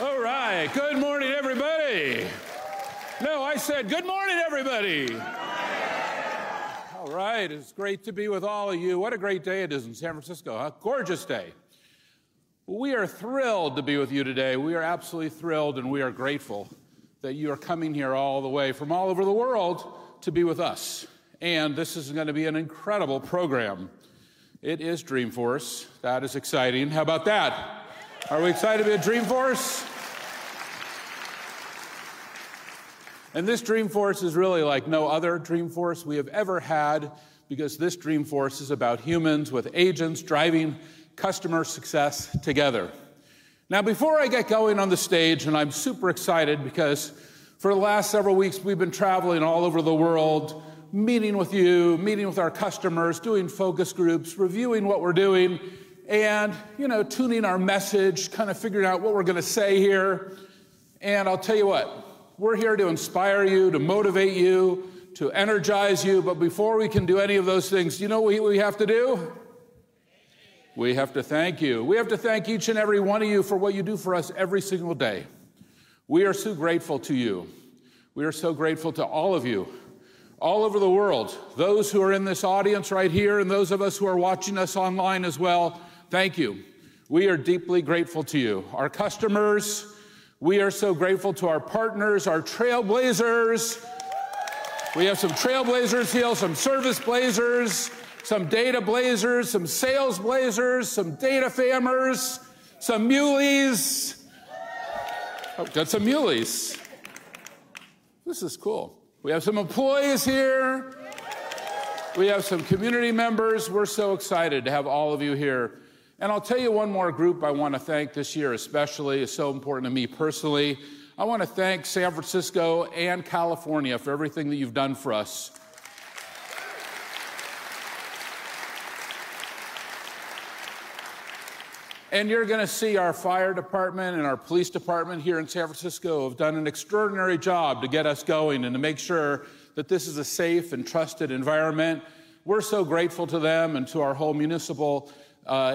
All right. Good morning, everybody! No, I said good morning, everybody. All right, it's great to be with all of you. What a great day it is in San Francisco, huh? Gorgeous day. We are thrilled to be with you today. We are absolutely thrilled, and we are grateful that you are coming here all the way from all over the world to be with us, and this is gonna be an incredible program. It is Dreamforce. That is exciting. How about that? Are we excited to be at Dreamforce? And this Dreamforce is really like no other Dreamforce we have ever had because this Dreamforce is about humans with agents driving customer success together. Now, before I get going on the stage, and I'm super excited because for the last several weeks, we've been traveling all over the world, meeting with you, meeting with our customers, doing focus groups, reviewing what we're doing, and, you know, tuning our message, kind of figuring out what we're gonna say here. And I'll tell you what, we're here to inspire you, to motivate you, to energize you. But before we can do any of those things, you know what we have to do? We have to thank you. We have to thank each and every one of you for what you do for us every single day. We are so grateful to you. We are so grateful to all of you, all over the world, those who are in this audience right here and those of us who are watching us online as well, thank you. We are deeply grateful to you, our customers. We are so grateful to our partners, our trailblazers. We have some trailblazers here, some Serviceblazers, some Datablazers, some Salesblazers, some DataFamers, some Muleys. Oh, got some Muleys. This is cool. We have some employees here. We have some community members. We're so excited to have all of you here, and I'll tell you one more group I want to thank this year, especially. It's so important to me personally. I want to thank San Francisco and California for everything that you've done for us, and you're gonna see our fire department and our police department here in San Francisco have done an extraordinary job to get us going and to make sure that this is a safe and trusted environment. We're so grateful to them and to our whole municipal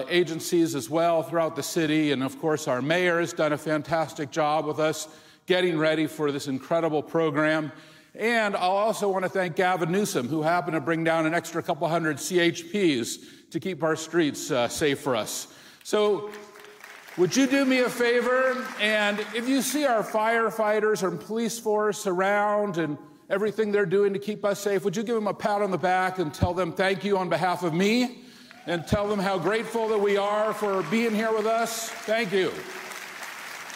agencies as well throughout the city, and of course, our mayor has done a fantastic job with us getting ready for this incredible program, and I also want to thank Gavin Newsom, who happened to bring down an extra couple hundred CHPs to keep our streets safe for us, so would you do me a favor? If you see our firefighters and police force around and everything they're doing to keep us safe, would you give them a pat on the back and tell them thank you on behalf of me, and tell them how grateful that we are for being here with us? Thank you.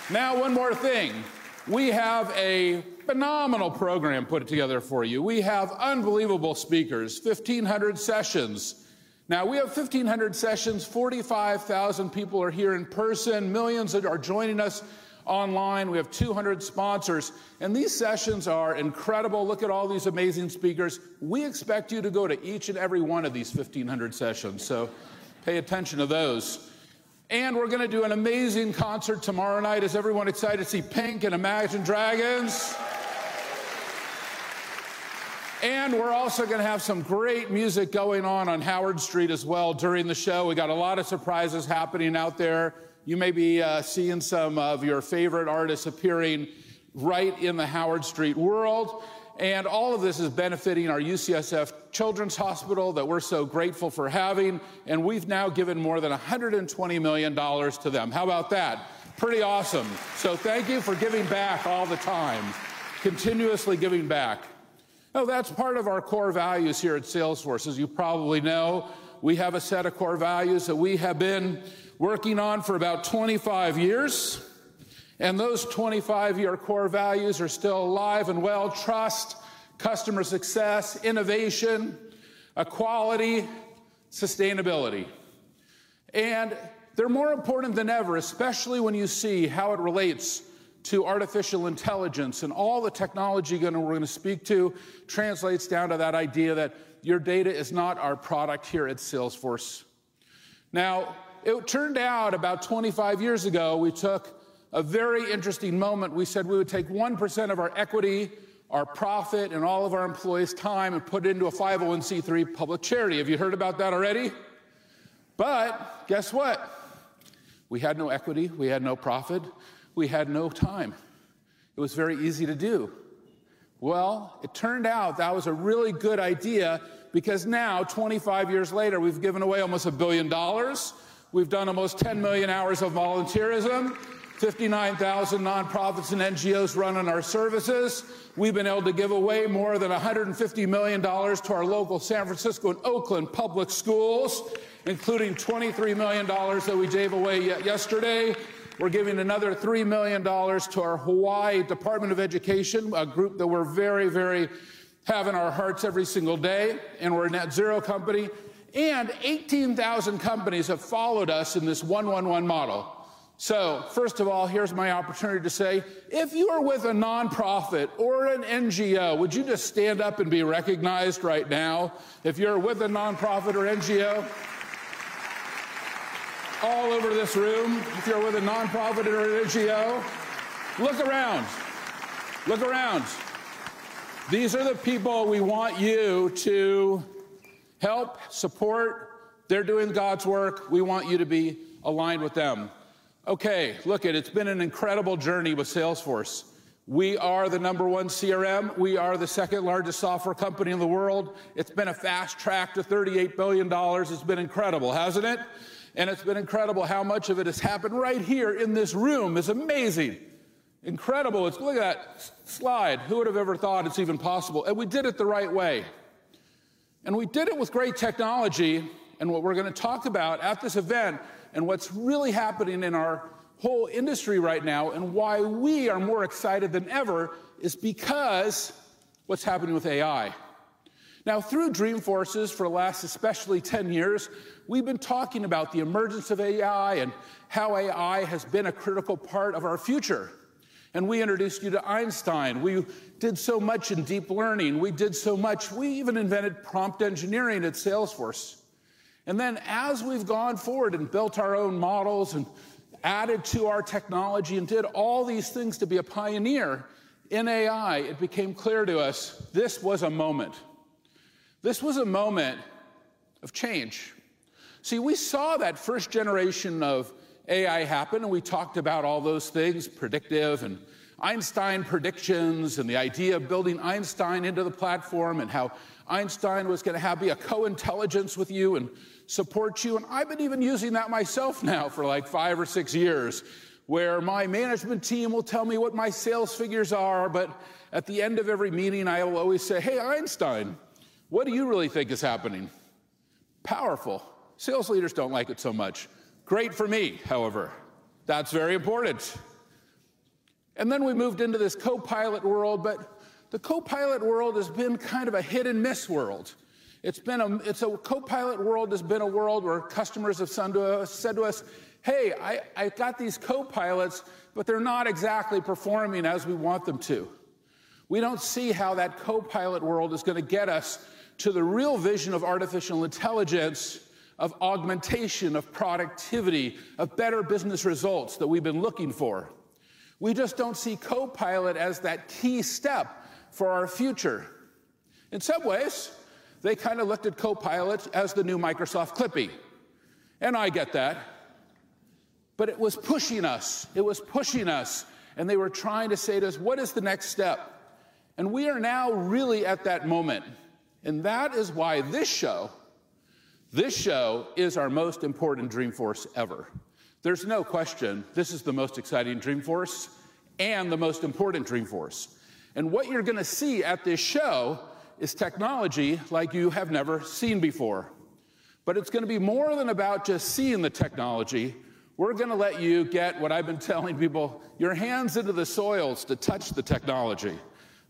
Now, one more thing. We have a phenomenal program put together for you. We have unbelievable speakers, 1,500 sessions. Now, we have 1,500 sessions. 45,000 people are here in person, millions that are joining us online. We have 200 sponsors, and these sessions are incredible. Look at all these amazing speakers. We expect you to go to each and every one of these 1,500 sessions, so pay attention to those. We're gonna do an amazing concert tomorrow night. Is everyone excited to see P!nk and Imagine Dragons? We're also gonna have some great music going on on Howard Street as well during the show. We got a lot of surprises happening out there. You may be seeing some of your favorite artists appearing right in the Howard Street world, and all of this is benefiting our UCSF Children's Hospital that we're so grateful for having, and we've now given more than $120 million to them. How about that? Pretty awesome. Thank you for giving back all the time, continuously giving back. Now, that's part of our core values here at Salesforce. As you probably know, we have a set of core values that we have been working on for about 25 years, and those 25-year core values are still alive and well: trust, customer success, innovation, equality, sustainability. And they're more important than ever, especially when you see how it relates to artificial intelligence, and all the technology we're gonna speak to translates down to that idea that your data is not our product here at Salesforce. Now, it turned out about 25 years ago, we took a very interesting moment. We said we would take 1% of our equity, our profit, and all of our employees' time and put it into a 501(c)(3) public charity. Have you heard about that already? But guess what? We had no equity, we had no profit, we had no time. It was very easy to do. Well, it turned out that was a really good idea because now, 25 years later, we've given away almost $1 billion. We've done almost 10 million hours of volunteerism. 59,000 nonprofits and NGOs run on our services. We've been able to give away more than $150 million to our local San Francisco and Oakland Public Schools, including $23 million that we gave away yesterday. We're giving another $3 million to our Hawaii Department of Education, a group that we're very, very have in our hearts every single day, and we're a Net Zero company, and 18,000 companies have followed us in this 1-1-1 model. So, first of all, here's my opportunity to say, if you are with a nonprofit or an NGO, would you just stand up and be recognized right now? If you're with a nonprofit or NGO. All over this room, if you're with a nonprofit or an NGO, look around. Look around. These are the people we want you to help support. They're doing God's work. We want you to be aligned with them. Okay, look, it's been an incredible journey with Salesforce. We are the number one CRM. We are the second-largest software company in the world. It's been a fast track to $38 billion. It's been incredible, hasn't it? And it's been incredible how much of it has happened right here in this room. It's amazing, incredible. Look at that slide. Who would have ever thought it's even possible? And we did it the right way, and we did it with great technology, and what we're going to talk about at this event, and what's really happening in our whole industry right now, and why we are more excited than ever, is because what's happening with AI. Now, through Dreamforce, for the last especially ten years, we've been talking about the emergence of AI and how AI has been a critical part of our future, and we introduced you to Einstein. We did so much in deep learning. We did so much. We even invented prompt engineering at Salesforce. And then, as we've gone forward and built our own models and added to our technology and did all these things to be a pioneer in AI, it became clear to us this was a moment. This was a moment of change. See, we saw that first generation of AI happen, and we talked about all those things, predictive and Einstein predictions, and the idea of building Einstein into the platform, and how Einstein was going to have be a co-intelligence with you and support you. And I've been even using that myself now for, like, five or six years, where my management team will tell me what my sales figures are, but at the end of every meeting, I will always say, "Hey, Einstein, what do you really think is happening?" Powerful. Sales leaders don't like it so much. Great for me, however. That's very important. And then we moved into this copilot world, but the copilot world has been kind of a hit-and-miss world. It's been a copilot world, a world where customers have said to us, "Hey, I got these copilots, but they're not exactly performing as we want them to. We don't see how that copilot world is going to get us to the real vision of artificial intelligence, of augmentation, of productivity, of better business results that we've been looking for. We just don't see Copilot as that key step for our future." In some ways, they looked at Copilot as the new Microsoft Clippy, and I get that, but it was pushing us. It was pushing us, and they were trying to say to us, "What is the next step?" And we are now really at that moment, and that is why this show, this show is our most important Dreamforce ever. There's no question this is the most exciting Dreamforce and the most important Dreamforce. And what you're going to see at this show is technology like you have never seen before. But it's going to be more than about just seeing the technology. We're going to let you get, what I've been telling people, your hands into the soils to touch the technology,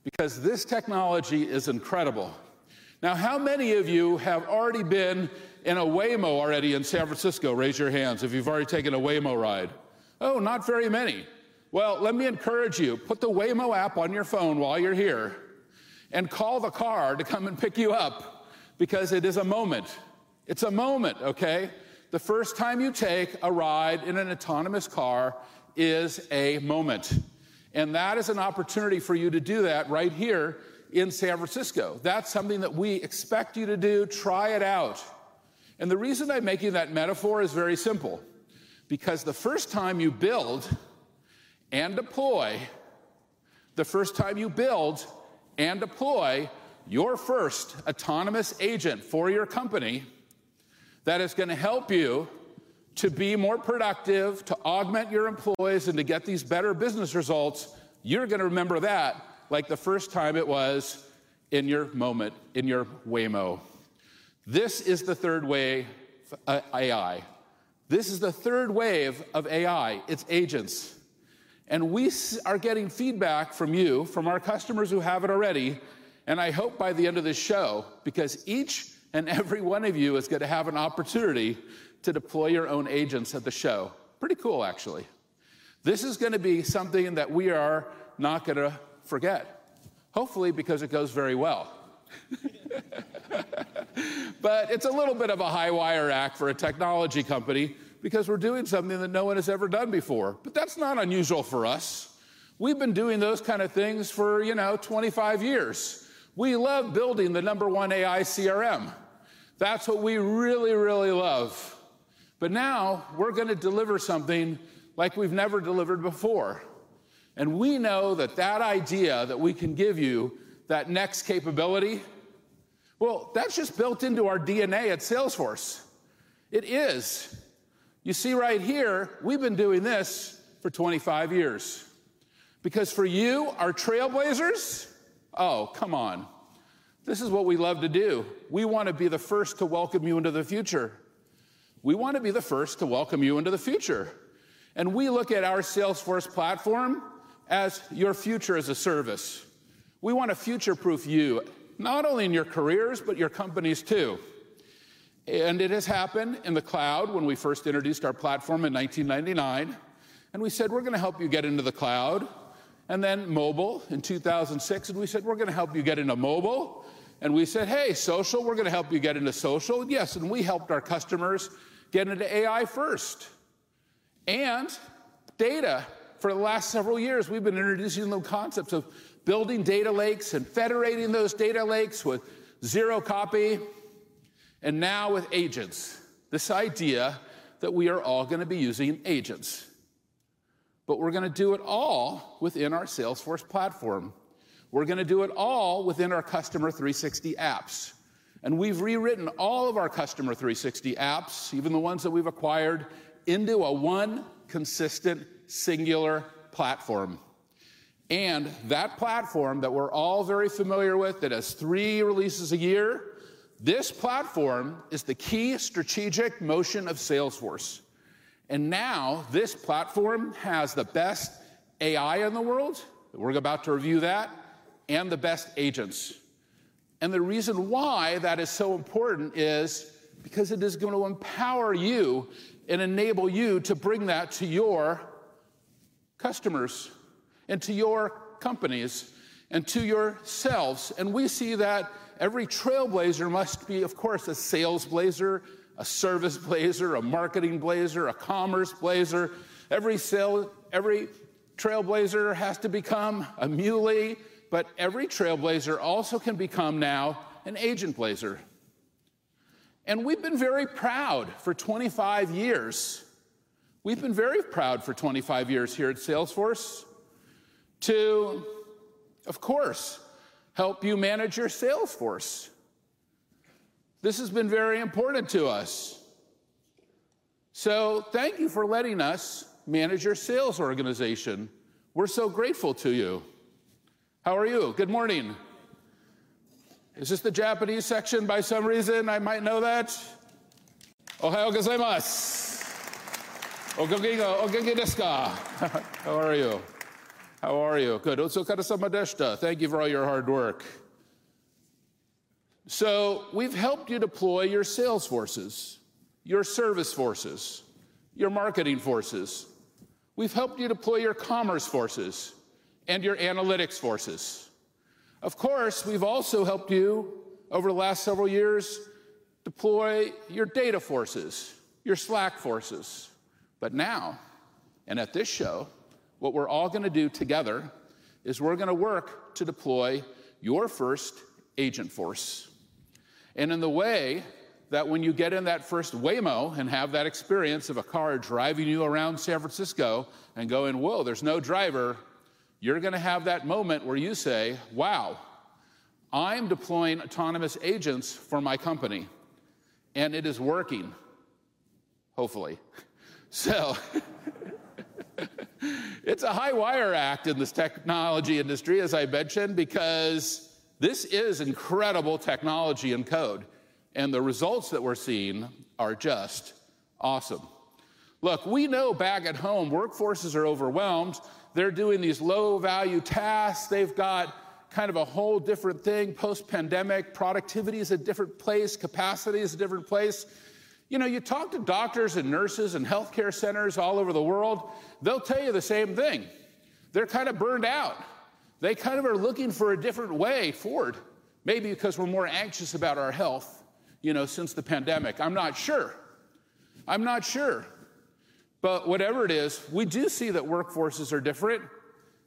because this technology is incredible. Now, how many of you have already been in a Waymo already in San Francisco? Raise your hands if you've already taken a Waymo ride. Oh, not very many. Well, let me encourage you, put the Waymo app on your phone while you're here and call the car to come and pick you up because it is a moment. It's a moment, okay? The first time you take a ride in an autonomous car is a moment, and that is an opportunity for you to do that right here in San Francisco. That's something that we expect you to do. Try it out. And the reason I'm making that metaphor is very simple, because the first time you build and deploy, the first time you build and deploy your first autonomous agent for your company, that is going to help you to be more productive, to augment your employees, and to get these better business results, you're going to remember that, like the first time it was in your moment, in your Waymo. This is the third wave of AI. This is the third wave of AI. It's agents. And we are getting feedback from you, from our customers who have it already, and I hope by the end of this show, because each and every one of you is going to have an opportunity to deploy your own agents at the show. Pretty cool, actually. This is going to be something that we are not gonna forget, hopefully, because it goes very well. But it's a little bit of a high-wire act for a technology company because we're doing something that no one has ever done before. But that's not unusual for us. We've been doing those kind of things for, you know, 25 years. We love building the number one AI CRM. That's what we really, really love. But now we're going to deliver something like we've never delivered before, and we know that that idea that we can give you, that next capability, well, that's just built into our DNA at Salesforce. It is. You see right here, we've been doing this for 25 years. Because for you, our Trailblazers, oh, come on, this is what we love to do. We want to be the first to welcome you into the future. We want to be the first to welcome you into the future, and we look at our Salesforce Platform as your future as a service. We want to future-proof you, not only in your careers, but your companies, too. And it has happened in the cloud when we first introduced our platform in 1999, and we said, "We're going to help you get into the cloud," and then mobile in 2006, and we said, "We're going to help you get into mobile," and we said, "Hey, social, we're going to help you get into social." Yes, and we helped our customers get into AI first,, and data, for the last several years, we've been introducing the concepts of building data lakes and federating those data lakes with zero copy, and now with agents. This idea that we are all going to be using agents, but we're going to do it all within our Salesforce Platform. We're going to do it all within our Customer 360 apps, and we've rewritten all of our Customer 360 apps, even the ones that we've acquired, into a one consistent, singular platform, and that platform that we're all very familiar with, that has three releases a year, this platform is the key strategic motion of Salesforce, and now, this platform has the best AI in the world, we're about to review that, and the best agents, and the reason why that is so important is because it is going to empower you and enable you to bring that to your customers and to your companies and to yourselves. We see that every trailblazer must be, of course, a sales blazer, a service blazer, a marketing blazer, a commerce blazer. Every trailblazer has to become a Muley, but every trailblazer also can become now an Agentblazers. We've been very proud for 25 years. We've been very proud for 25 years here at Salesforce to, of course, help you manage your sales force. This has been very important to us. Thank you for letting us manage your sales organization. We're so grateful to you. How are you? Good morning. Is this the Japanese section, for some reason? I might know that. Ohayō gozaimasu. Ogenki desu ka? How are you? How are you? Good. Otsukare deshita. Thank you for all your hard work. We've helped you deploy your sales forces, your service forces, your marketing forces. We've helped you deploy your commerce forces and your analytics forces. Of course, we've also helped you, over the last several years, deploy your data forces, your Slack forces. But now, and at this show, what we're all going to do together is we're going to work to deploy your first Agentforce, and in the way that when you get in that first Waymo and have that experience of a car driving you around San Francisco and going, "Whoa, there's no driver," you're going to have that moment where you say, "Wow, I'm deploying autonomous agents for my company, and it is working," hopefully, so it's a high wire act in this technology industry, as I mentioned, because this is incredible technology and code, and the results that we're seeing are just awesome. Look, we know back at home, workforces are overwhelmed. They're doing these low-value tasks. They've got kind of a whole different thing. Post-pandemic, productivity is a different place, capacity is a different place. You know, you talk to doctors and nurses and healthcare centers all over the world, they'll tell you the same thing. They're kinda burned out. They kind of are looking for a different way forward, maybe because we're more anxious about our health, you know, since the pandemic. I'm not sure. I'm not sure. But whatever it is, we do see that workforces are different,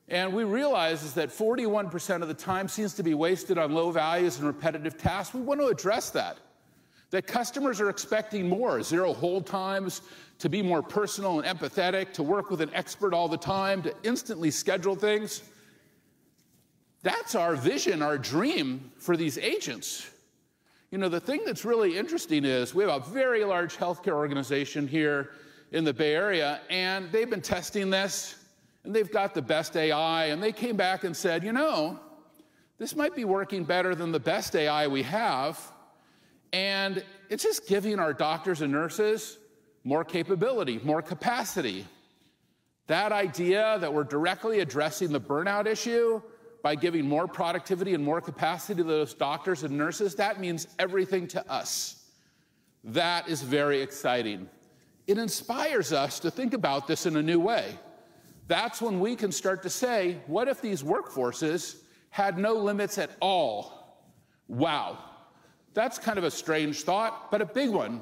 and we realize is that 41% of the time seems to be wasted on low values and repetitive tasks. We want to address that, that customers are expecting more, zero hold times, to be more personal and empathetic, to work with an expert all the time, to instantly schedule things. That's our vision, our dream for these agents. You know, the thing that's really interesting is we have a very large healthcare organization here in the Bay Area, and they've been testing this, and they've got the best AI, and they came back and said, "You know, this might be working better than the best AI we have, and it's just giving our doctors and nurses more capability, more capacity." That idea that we're directly addressing the burnout issue by giving more productivity and more capacity to those doctors and nurses, that means everything to us. That is very exciting. It inspires us to think about this in a new way. That's when we can start to say: What if these workforces had no limits at all? Wow, that's kind of a strange thought, but a big one.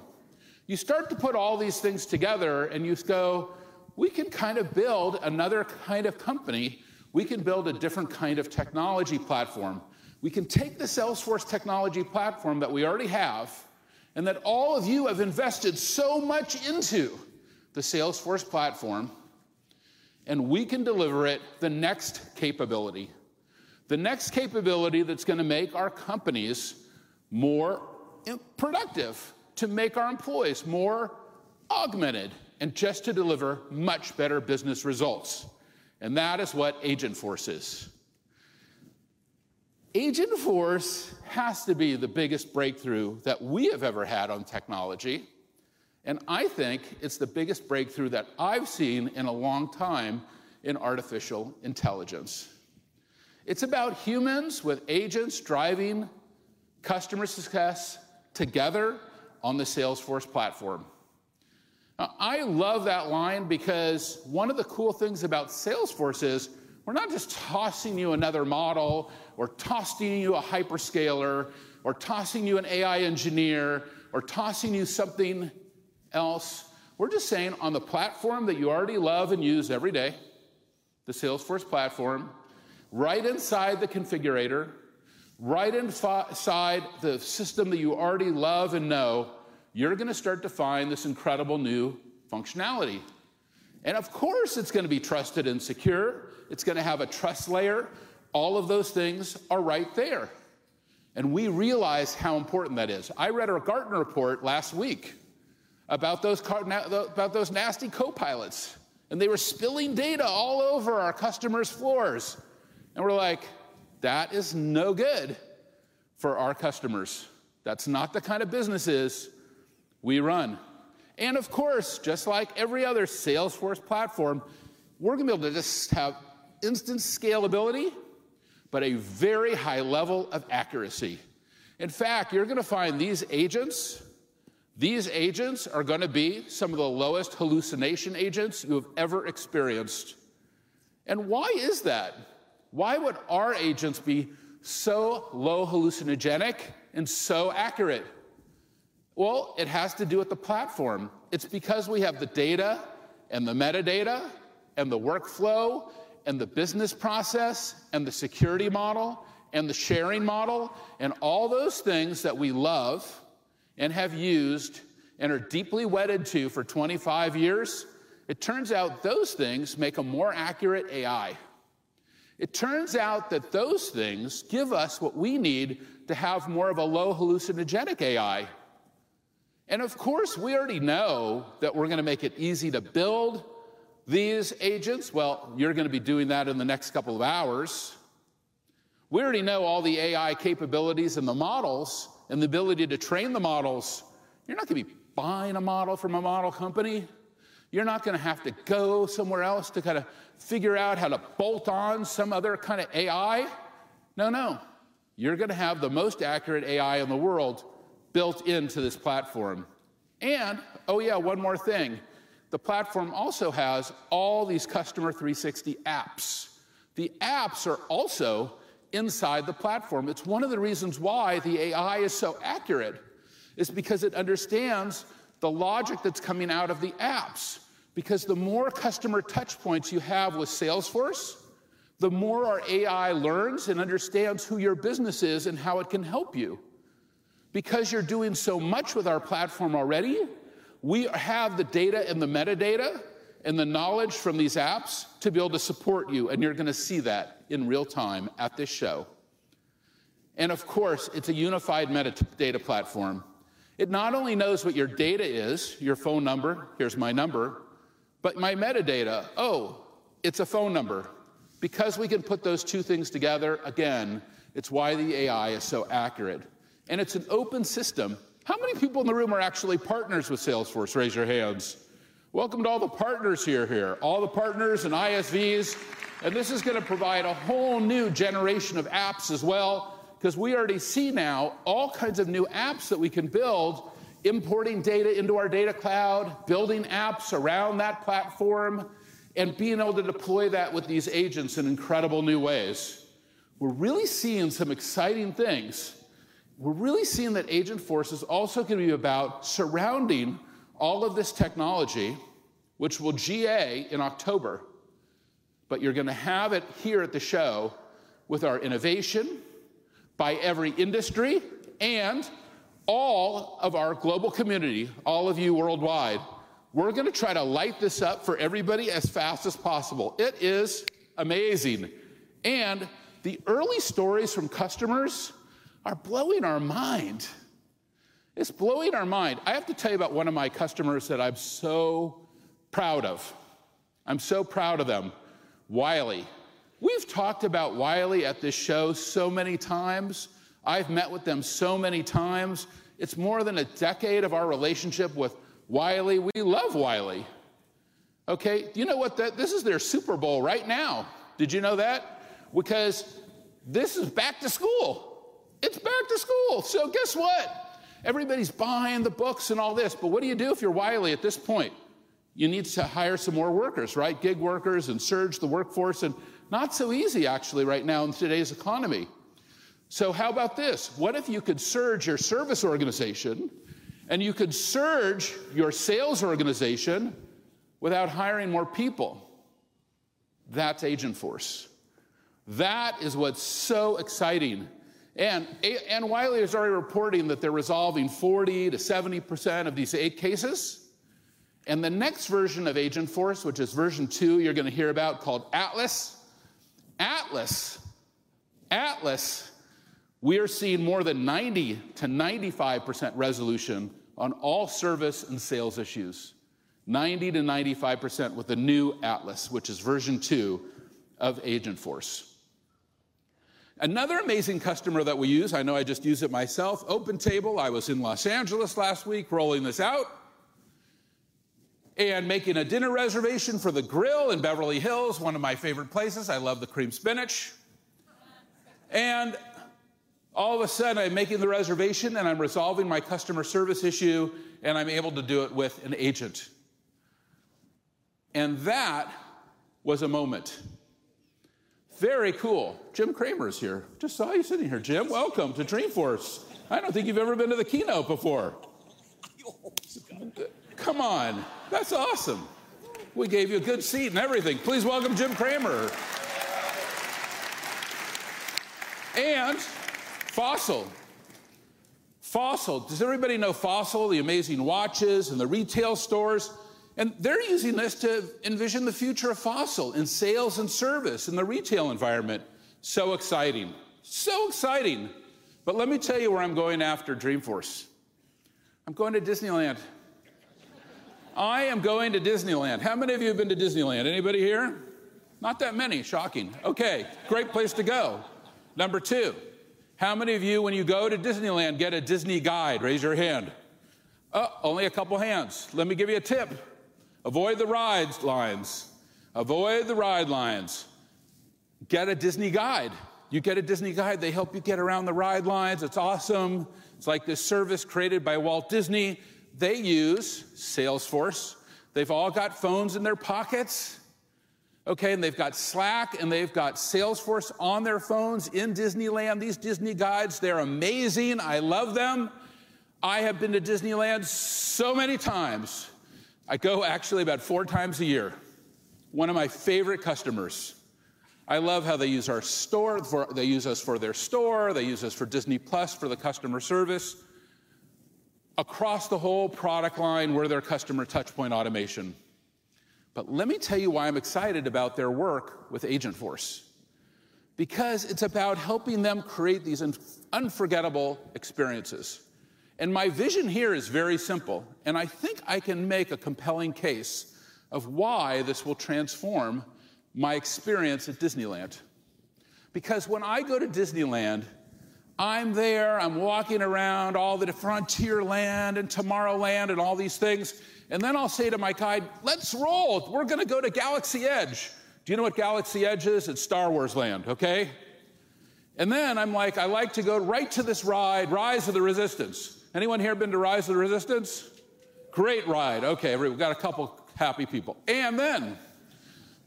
You start to put all these things together, and you go, "We could kind of build another kind of company. We can build a different kind of technology platform. We can take the Salesforce technology platform that we already have and that all of you have invested so much into, the Salesforce Platform, and we can deliver it the next capability, the next capability that's going to make our companies more productive, to make our employees more augmented, and just to deliver much better business results. And that is what Agentforce is. Agentforce has to be the biggest breakthrough that we have ever had on technology, and I think it's the biggest breakthrough that I've seen in a long time in artificial intelligence. It's about humans with agents driving customer success together on the Salesforce Platform. Now, I love that line because one of the cool things about Salesforce is we're not just tossing you another model, or tossing you a hyperscaler, or tossing you an AI engineer, or tossing you something else. We're just saying on the platform that you already love and use every day, the Salesforce Platform, right inside the configurator, right inside the system that you already love and know, you're going to start to find this incredible new functionality. And of course, it's going to be trusted and secure. It's going to have a Trust Layer. All of those things are right there, and we realize how important that is. I read a Gartner report last week about those nasty copilots, and they were spilling data all over our customers' floors, and we're like, "That is no good for our customers. That's not the kind of businesses we run, and of course, just like every other Salesforce Platform, we're going to be able to just have instant scalability, but a very high level of accuracy. In fact, you're going to find these agents, these agents are going to be some of the lowest hallucination agents you have ever experienced, and why is that? Why would our agents be so low hallucinogenic and so accurate? Well, it has to do with the platform. It's because we have the data, and the metadata, and the workflow, and the business process, and the security model, and the sharing model, and all those things that we love and have used and are deeply wedded to for 25 years. It turns out those things make a more accurate AI. It turns out that those things give us what we need to have more of a low-hallucination AI. And of course, we already know that we're going to make it easy to build these agents. Well, you're going to be doing that in the next couple of hours. We already know all the AI capabilities and the models and the ability to train the models. You're not going to be buying a model from a model company. You're not going to have to go somewhere else to kind of figure out how to bolt on some other kind of AI. No, no. You're going to have the most accurate AI in the world built into this platform. And oh, yeah, one more thing. The platform also has all these Customer 360 apps. The apps are also inside the platform. It's one of the reasons why the AI is so accurate, is because it understands the logic that's coming out of the apps. Because the more customer touch points you have with Salesforce, the more our AI learns and understands who your business is and how it can help you. Because you're doing so much with our platform already, we have the data and the metadata and the knowledge from these apps to be able to support you, and you're going to see that in real time at this show. And of course, it's a unified metadata platform. It not only knows what your data is, your phone number, here's my number, but my metadata, oh, it's a phone number. Because we can put those two things together, again, it's why the AI is so accurate, and it's an open system. How many people in the room are actually partners with Salesforce? Raise your hands. Welcome to all the partners here, all the partners and ISVs. And this is going to provide a whole new generation of apps as well, 'cause we already see now all kinds of new apps that we can build, importing data into our data cloud, building apps around that platform, and being able to deploy that with these agents in incredible new ways. We're really seeing some exciting things. We're really seeing that Agentforce is also going to be about surrounding all of this technology, which will GA in October, but you're going to have it here at the show with our innovation by every industry and all of our global community, all of you worldwide. We're going to try to light this up for everybody as fast as possible. It is amazing, and the early stories from customers are blowing our mind. It's blowing our mind. I have to tell you about one of my customers that I'm so proud of. I'm so proud of them, Wiley. We've talked about Wiley at this show so many times. I've met with them so many times. It's more than a decade of our relationship with Wiley. We love Wiley. Okay, do you know what? That, this is their Super Bowl right now. Did you know that? Because this is back to school. It's back to school! So guess what? Everybody's buying the books and all this, but what do you do if you're Wiley at this point? You need to hire some more workers, right? Gig workers and surge the workforce, and not so easy, actually, right now in today's economy. So how about this? What if you could surge your service organization, and you could surge your sales organization without hiring more people? That's Agentforce. That is what's so exciting. And Wiley is already reporting that they're resolving 40%-70% of these eight cases, and the next version of Agentforce, which is version two, you're going to hear about, called Atlas. Atlas, Atlas, we are seeing more than 90%-95% resolution on all service and sales issues. 90%-95% with the new Atlas, which is version two of Agentforce. Another amazing customer that we use, I know I just used it myself, OpenTable. I was in Los Angeles last week, rolling this out and making a dinner reservation for The Grill in Beverly Hills, one of my favorite places. I love the creamed spinach. And all of a sudden, I'm making the reservation, and I'm resolving my customer service issue, and I'm able to do it with an agent. And that was a moment. Very cool. Jim Cramer is here. Just saw you sitting here, Jim. Welcome to Dreamforce. I don't think you've ever been to the keynote before. Come on, that's awesome! We gave you a good seat and everything. Please welcome Jim Cramer. And Fossil. Fossil, does everybody know Fossil, the amazing watches and the retail stores? And they're using this to envision the future of Fossil in sales and service in the retail environment. So exciting. So exciting! But let me tell you where I'm going after Dreamforce. I'm going to Disneyland. I am going to Disneyland. How many of you have been to Disneyland? Anybody here? Not that many, shocking. Okay, great place to go. Number two, how many of you, when you go to Disneyland, get a Disney guide? Raise your hand. Only a couple hands. Let me give you a tip: avoid the ride lines. Avoid the ride lines. Get a Disney guide. You get a Disney guide, they help you get around the ride lines. It's awesome. It's like this service created by Walt Disney. They use Salesforce. They've all got phones in their pockets, okay, and they've got Slack, and they've got Salesforce on their phones in Disneyland. These Disney guides, they're amazing. I love them. I have been to Disneyland so many times. I go actually about four times a year, one of my favorite customers. I love how they use our store for-- They use us for their store, they use us for Disney+, for the customer service. Across the whole product line, we're their customer touchpoint automation. But let me tell you why I'm excited about their work with Agentforce. Because it's about helping them create these unforgettable experiences, and my vision here is very simple, and I think I can make a compelling case of why this will transform my experience at Disneyland. Because when I go to Disneyland, I'm there, I'm walking around all the Frontierland and Tomorrowland and all these things, and then I'll say to my guide, "Let's roll. We're gonna go to Galaxy's Edge." Do you know what Galaxy's Edge is? It's Star Wars Land, okay? And then I'm like, I like to go right to this ride, Rise of the Resistance. Anyone here been to Rise of the Resistance? Great ride. Okay, we've got a couple happy people. And then,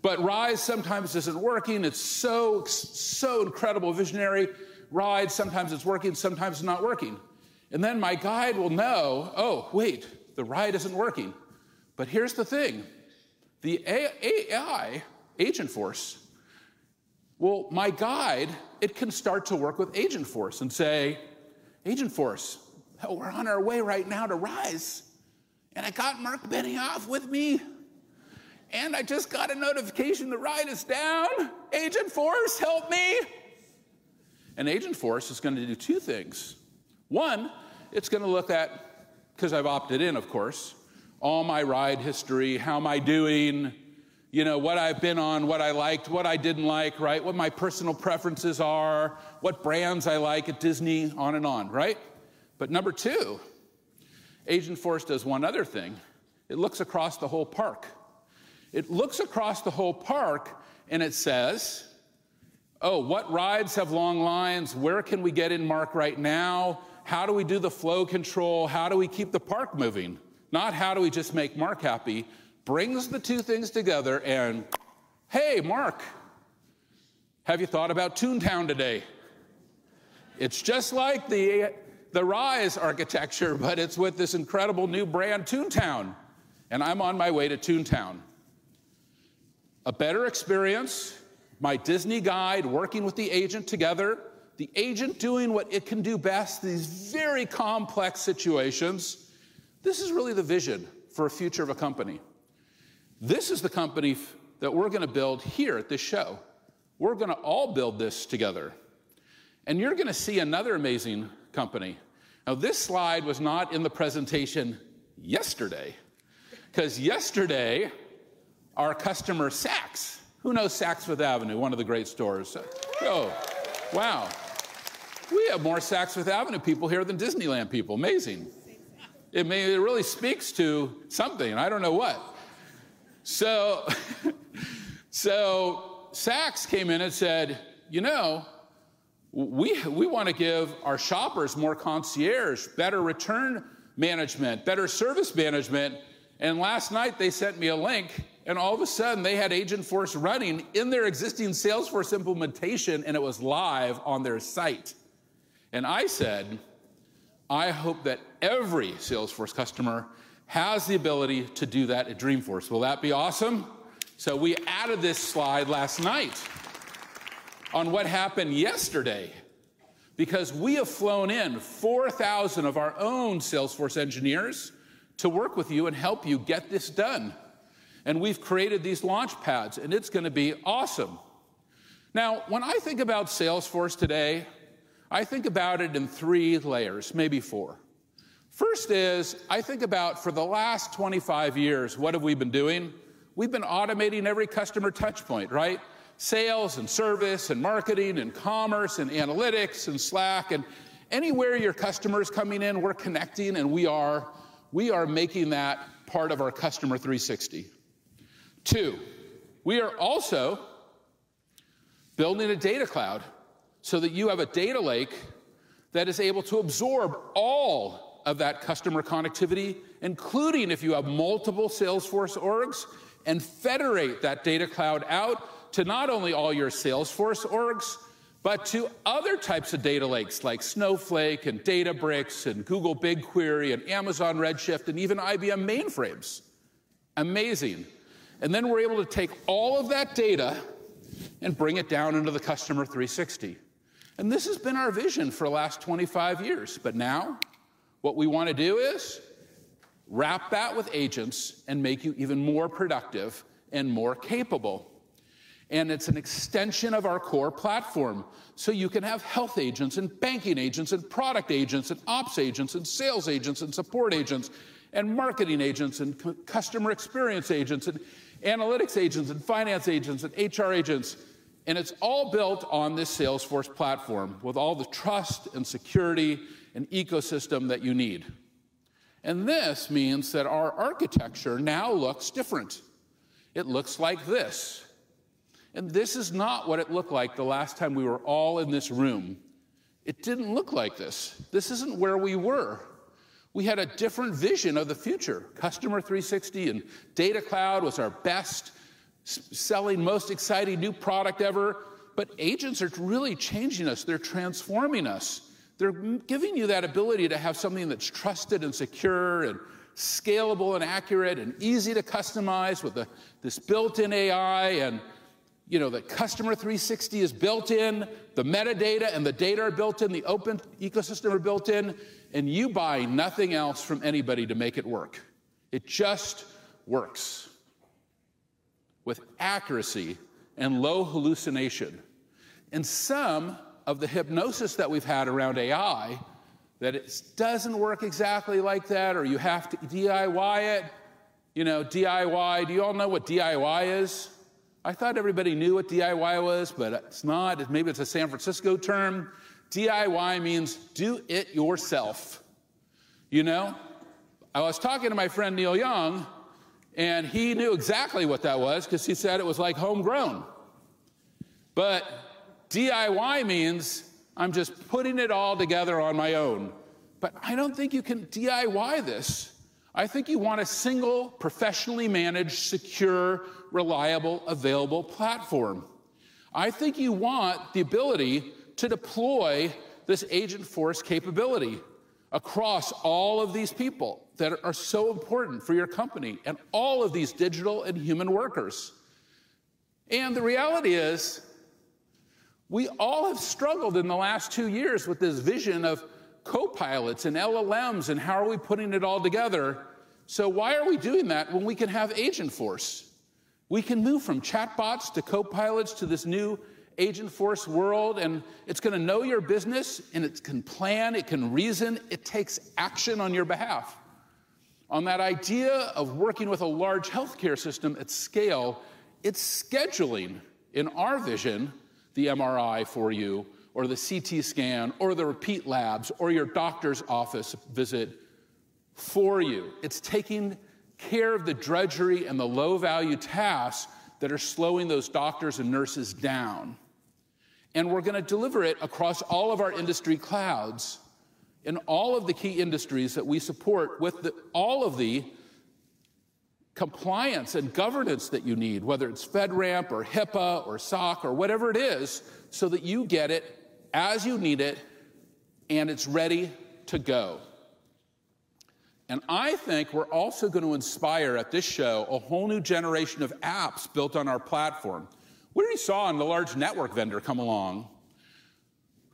but Rise sometimes isn't working. It's so, so incredible, visionary ride. Sometimes it's working, sometimes it's not working. And then my guide will know, "Oh, wait, the ride isn't working." But here's the thing, the AI, Agentforce. Well, my guide, it can start to work with Agentforce and say, "Agentforce, we're on our way right now to Rise, and I got Marc Benioff with me, and I just got a notification the ride is down. Agentforce, help me!" And Agentforce is gonna do two things. One, it's gonna look at, 'cause I've opted in, of course, all my ride history, how am I doing, you know, what I've been on, what I liked, what I didn't like, right? What my personal preferences are, what brands I like at Disney, on and on, right? But number two, Agentforce does one other thing. It looks across the whole park. It looks across the whole park, and it says, "Oh, what rides have long lines? Where can we get in, Marc, right now? How do we do the flow control? How do we keep the park moving?" Not how do we just make Marc happy. It brings the two things together and, "Hey, Marc, have you thought about Toontown today?" It's just like the Rise of the Resistance, but it's with this incredible new brand, Toontown, and I'm on my way to Toontown. A better experience, my Disney guide working with the agent together, the agent doing what it can do best, these very complex situations. This is really the vision for a future of a company. This is the company future that we're gonna build here at this show. We're gonna all build this together, and you're gonna see another amazing company. Now, this slide was not in the presentation yesterday, 'cause yesterday, our customer, Saks—who knows Saks Fifth Avenue, one of the great stores? Oh, wow! We have more Saks Fifth Avenue people here than Disneyland people. Amazing. It really speaks to something, and I don't know what. So, so Saks came in and said, "You know, we wanna give our shoppers more concierge, better return management, better service management," and last night they sent me a link, and all of a sudden, they had Agentforce running in their existing Salesforce implementation, and it was live on their site. And I said, "I hope that every Salesforce customer has the ability to do that at Dreamforce." Will that be awesome? So we added this slide last night on what happened yesterday. Because we have flown in four thousand of our own Salesforce engineers to work with you and help you get this done, and we've created these launch pads, and it's gonna be awesome. Now, when I think about Salesforce today, I think about it in three layers, maybe four. First is, I think about for the last 25 years, what have we been doing? We've been automating every customer touch point, right? Sales and service and marketing and commerce and analytics and Slack, and anywhere your customer is coming in, we're connecting, and we are, we are making that part of our Customer 360. Two, we are also building a Data Cloud so that you have a data lake that is able to absorb all of that customer connectivity, including if you have multiple Salesforce orgs, and federate that Data Cloud out to not only all your Salesforce orgs-... But to other types of data lakes, like Snowflake, and Databricks, and Google BigQuery, and Amazon Redshift, and even IBM mainframes. Amazing! And then we're able to take all of that data and bring it down into the Customer 360. And this has been our vision for the last 25 years, but now, what we want to do is wrap that with agents and make you even more productive and more capable. And it's an extension of our core platform, so you can have health agents, and banking agents, and product agents, and ops agents, and sales agents, and support agents, and marketing agents, and customer experience agents, and analytics agents, and finance agents, and HR agents, and it's all built on this Salesforce Platform, with all the trust and security and ecosystem that you need. And this means that our architecture now looks different. It looks like this, and this is not what it looked like the last time we were all in this room. It didn't look like this. This isn't where we were. We had a different vision of the future. Customer 360 and Data Cloud was our best-selling, most exciting new product ever. But agents are really changing us. They're transforming us. They're giving you that ability to have something that's trusted and secure, and scalable, and accurate, and easy to customize with this built-in AI, and, you know, the Customer 360 is built in, the metadata and the data are built in, the open ecosystem are built in, and you buy nothing else from anybody to make it work. It just works with accuracy and low hallucination. Some of the hype that we've had around AI, that it doesn't work exactly like that, or you have to DIY it. You know, DIY, do you all know what DIY is? I thought everybody knew what DIY was, but it's not. Maybe it's a San Francisco term. DIY means "do it yourself." You know? I was talking to my friend Neil Young, and he knew exactly what that was, 'cause he said it was like homegrown. But DIY means I'm just putting it all together on my own. But I don't think you can DIY this. I think you want a single, professionally managed, secure, reliable, available platform. I think you want the ability to deploy this Agentforce capability across all of these people that are so important for your company and all of these digital and human workers. The reality is, we all have struggled in the last two years with this vision of copilots and LLMs, and how are we putting it all together? Why are we doing that when we can have Agentforce? We can move from chatbots to copilots to this new Agentforce world, and it's gonna know your business, and it can plan, it can reason, it takes action on your behalf. On that idea of working with a large healthcare system at scale, it's scheduling, in our vision, the MRI for you, or the CT scan, or the repeat labs, or your doctor's office visit for you. It's taking care of the drudgery and the low-value tasks that are slowing those doctors and nurses down. We're gonna deliver it across all of our industry clouds, in all of the key industries that we support, with all of the compliance and governance that you need, whether it's FedRAMP, or HIPAA, or SOC, or whatever it is, so that you get it as you need it, and it's ready to go. I think we're also going to inspire, at this show, a whole new generation of apps built on our platform. We already saw a large network vendor come along,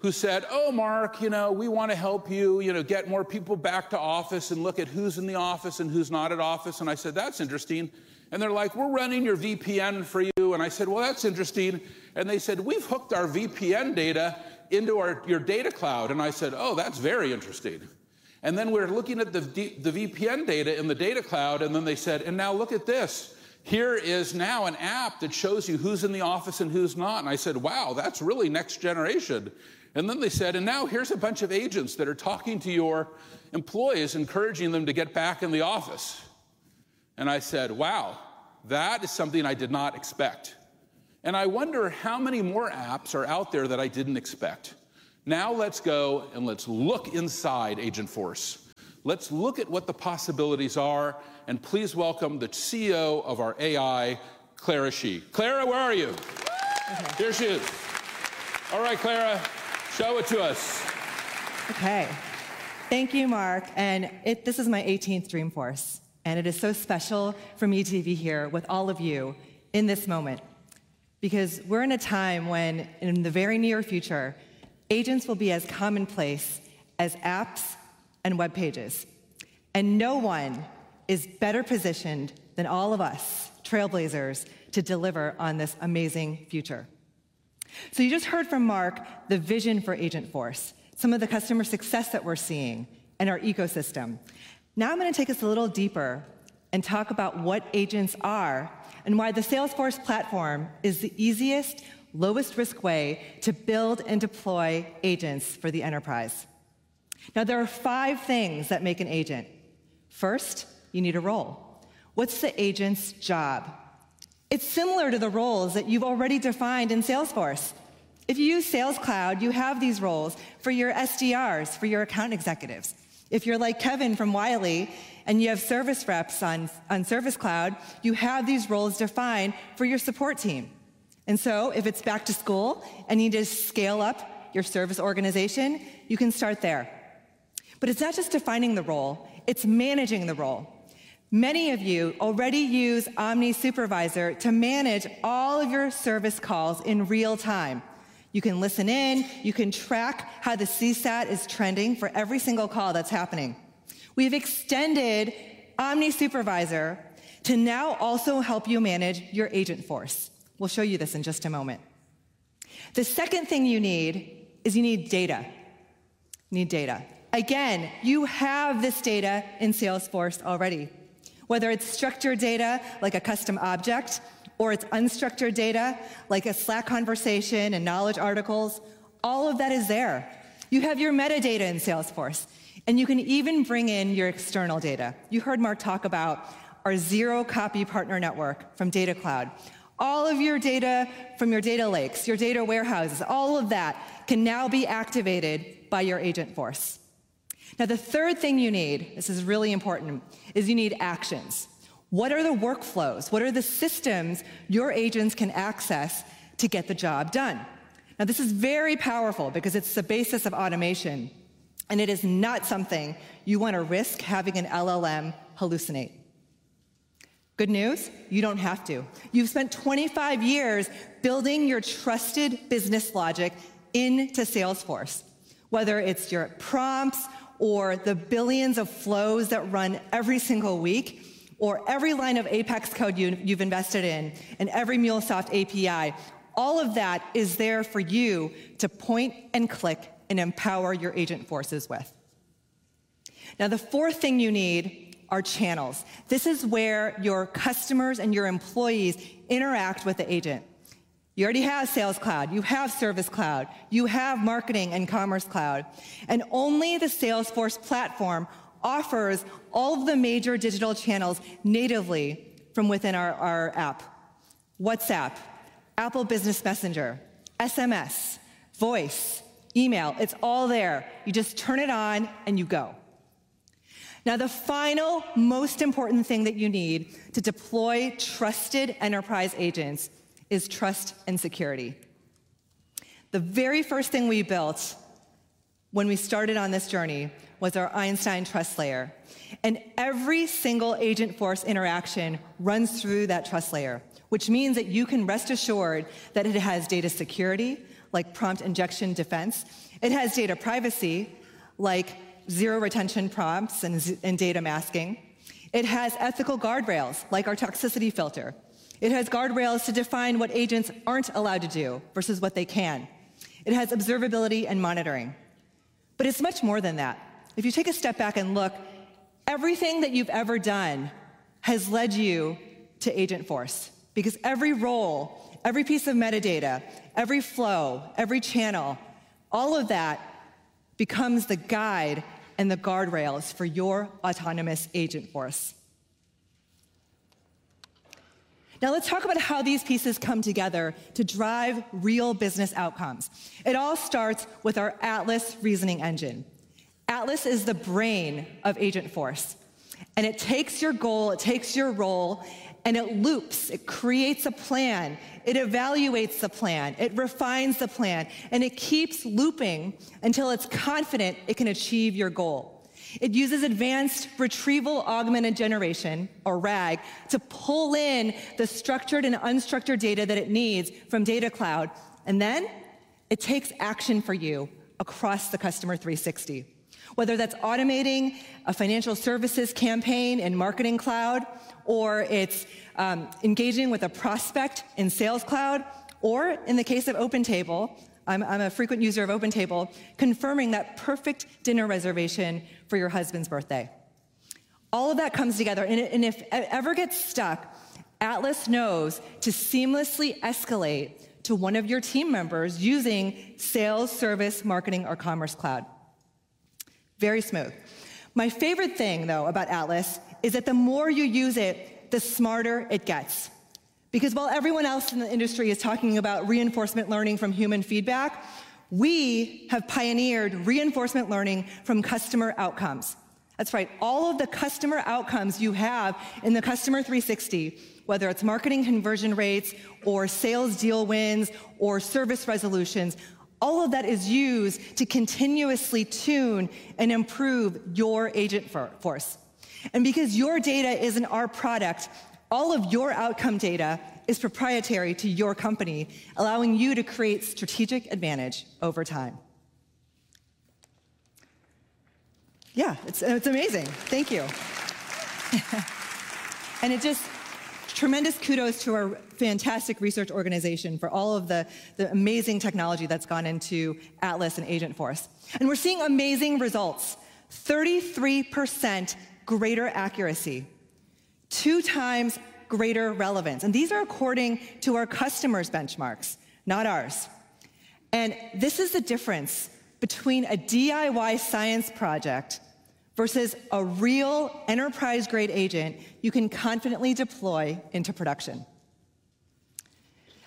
who said, "Oh, Mark, you know, we want to help you, you know, get more people back to office and look at who's in the office and who's not at office." And I said, "That's interesting." And they're like, "We're running your VPN for you." And I said, "Well, that's interesting." And they said, "We've hooked our VPN data into our, your Data Cloud." And I said, "Oh, that's very interesting." And then we're looking at the VPN data in the Data Cloud, and then they said, "And now look at this. Here is now an app that shows you who's in the office and who's not," and I said, "Wow, that's really next generation." And then they said, "And now here's a bunch of agents that are talking to your employees, encouraging them to get back in the office." And I said, "Wow, that is something I did not expect." And I wonder how many more apps are out there that I didn't expect. Now, let's go and let's look inside Agentforce. Let's look at what the possibilities are, and please welcome the CEO of our AI, Clara Shih. Clara, where are you? There she is. All right, Clara, show it to us. Okay. Thank you, Mark, and this is my eighteenth Dreamforce, and it is so special for me to be here with all of you in this moment. Because we're in a time when, in the very near future, agents will be as commonplace as apps and web pages, and no one is better positioned than all of us, Trailblazers, to deliver on this amazing future. So you just heard from Marc the vision for Agentforce, some of the customer success that we're seeing, and our ecosystem. Now, I'm going to take us a little deeper and talk about what agents are and why the Salesforce Platform is the easiest, lowest-risk way to build and deploy agents for the enterprise. Now, there are five things that make an agent. First, you need a role. What's the agent's job? It's similar to the roles that you've already defined in Salesforce. If you use Sales Cloud, you have these roles for your SDRs, for your account executives. If you're like Kevin from Wiley, and you have service reps on Service Cloud, you have these roles defined for your support team. And so if it's back to school and you need to scale up your service organization, you can start there. But it's not just defining the role, it's managing the role. Many of you already use Omni Supervisor to manage all of your service calls in real time. You can listen in, you can track how the CSAT is trending for every single call that's happening. We've extended Omni Supervisor to now also help you manage your Agentforce. We'll show you this in just a moment. The second thing you need is you need data. You need data. Again, you have this data in Salesforce already. Whether it's structured data, like a custom object, or it's unstructured data, like a Slack conversation and knowledge articles, all of that is there. You have your metadata in Salesforce, and you can even bring in your external data. You heard Marc talk about our zero-copy partner network from Data Cloud. All of your data from your data lakes, your data warehouses, all of that can now be activated by your Agentforce. Now, the third thing you need, this is really important, is you need actions. What are the workflows? What are the systems your agents can access to get the job done? Now, this is very powerful because it's the basis of automation, and it is not something you want to risk having an LLM hallucinate. Good news, you don't have to. You've spent 25 years building your trusted business logic into Salesforce, whether it's your prompts or the billions of flows that run every single week, or every line of Apex code you've invested in, and every MuleSoft API, all of that is there for you to point and click and empower your Agentforces with. Now, the fourth thing you need are channels. This is where your customers and your employees interact with the agent. You already have Sales Cloud, you have Service Cloud, you have Marketing and Commerce Cloud, and only the Salesforce Platform offers all of the major digital channels natively from within our app. WhatsApp, Apple Business Messages, SMS, voice, email, it's all there. You just turn it on, and you go. Now, the final, most important thing that you need to deploy trusted enterprise agents is trust and security. The very first thing we built when we started on this journey was our Einstein Trust Layer, and every single Agentforce interaction runs through that trust layer, which means that you can rest assured that it has data security, like prompt injection defense. It has data privacy, like zero retention prompts and data masking. It has ethical guardrails, like our toxicity filter. It has guardrails to define what agents aren't allowed to do versus what they can. It has observability and monitoring, but it's much more than that. If you take a step back and look, everything that you've ever done has led you to Agentforce, because every role, every piece of metadata, every flow, every channel, all of that becomes the guide and the guardrails for your autonomous Agentforce. Now, let's talk about how these pieces come together to drive real business outcomes. It all starts Atlas Reasoning Engine. atlas is the brain of Agentforce, and it takes your goal, it takes your role, and it loops, it creates a plan, it evaluates the plan, it refines the plan, and it keeps looping until it's confident it can achieve your goal. It uses advanced retrieval-augmented generation, or RAG, to pull in the structured and unstructured data that it needs from Data Cloud, and then it takes action for you across the Customer 360, whether that's automating a financial services campaign in Marketing Cloud, or it's engaging with a prospect in Sales Cloud, or in the case of OpenTable, I'm a frequent user of OpenTable, confirming that perfect dinner reservation for your husband's birthday. All of that comes together, and if it ever gets stuck, Atlas knows to seamlessly escalate to one of your team members using Sales Cloud, Service Cloud, Marketing Cloud, or Commerce Cloud. Very smooth. My favorite thing, though, about Atlas is that the more you use it, the smarter it gets. Because while everyone else in the industry is talking about reinforcement learning from human feedback, we have pioneered reinforcement learning from customer outcomes. That's right, all of the customer outcomes you have in the Customer 360, whether it's marketing conversion rates or sales deal wins or service resolutions, all of that is used to continuously tune and improve your Agentforce. And because your data is in our product, all of your outcome data is proprietary to your company, allowing you to create strategic advantage over time. Yeah, it's amazing. Thank you. And it just... Tremendous kudos to our fantastic research organization for all of the amazing technology that's gone into Atlas and Agentforce. And we're seeing amazing results: 33% greater accuracy, two times greater relevance, and these are according to our customers' benchmarks, not ours. And this is the difference between a DIY science project versus a real enterprise-grade agent you can confidently deploy into production.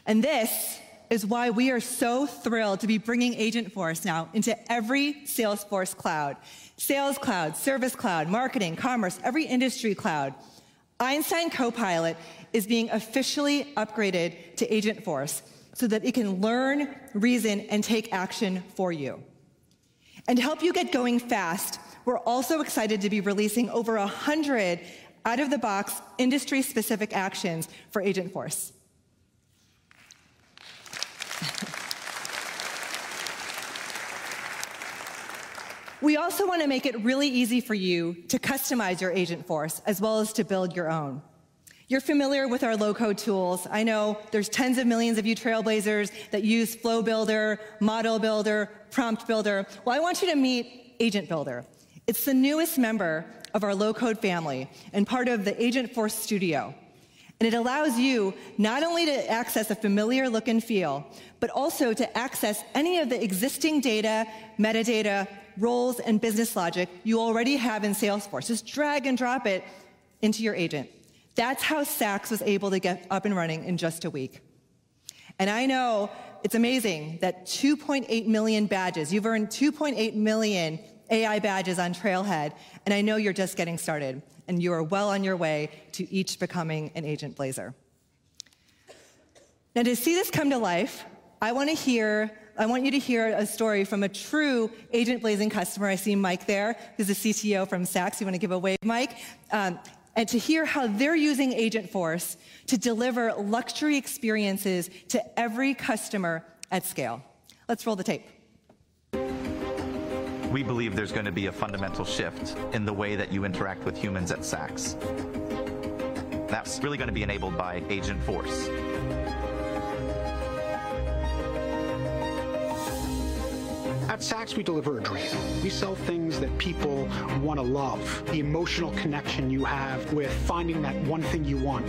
And this is why we are so thrilled to be bringing Agentforce now into every Salesforce cloud, Sales Cloud, Service Cloud, Marketing, Commerce, every Industry Cloud. Einstein Copilot is being officially upgraded to Agentforce so that it can learn, reason, and take action for you. And to help you get going fast, we're also excited to be releasing over 100 out-of-the-box, industry-specific actions for Agentforce. We also want to make it really easy for you to customize your Agentforce, as well as to build your own. You're familiar with our low-code tools. I know there's tens of millions of you Trailblazers that use Flow Builder, Model Builder, Prompt Builder. Well, I want you to meet Agent Builder. It's the newest member of our low-code family and part of the Agentforce Studio, and it allows you not only to access a familiar look and feel, but also to access any of the existing data, metadata, roles, and business logic you already have in Salesforce. Just drag and drop it into your agent. That's how Saks was able to get up and running in just a week. I know it's amazing that 2.8 million badges—you've earned 2.8 million AI badges on Trailhead—and I know you're just getting started, and you are well on your way to each becoming an Agentblazers. Now, to see this come to life, I want you to hear a story from a true Agentblazers customer. I see Mike there, who's the CTO from Saks. You want to give a wave, Mike? And to hear how they're using Agentforce to deliver luxury experiences to every customer at scale. Let's roll the tape. We believe there's going to be a fundamental shift in the way that you interact with humans at Saks. That's really going to be enabled by Agentforce. At Saks, we deliver a dream. We sell things that people want to love, the emotional connection you have with finding that one thing you want.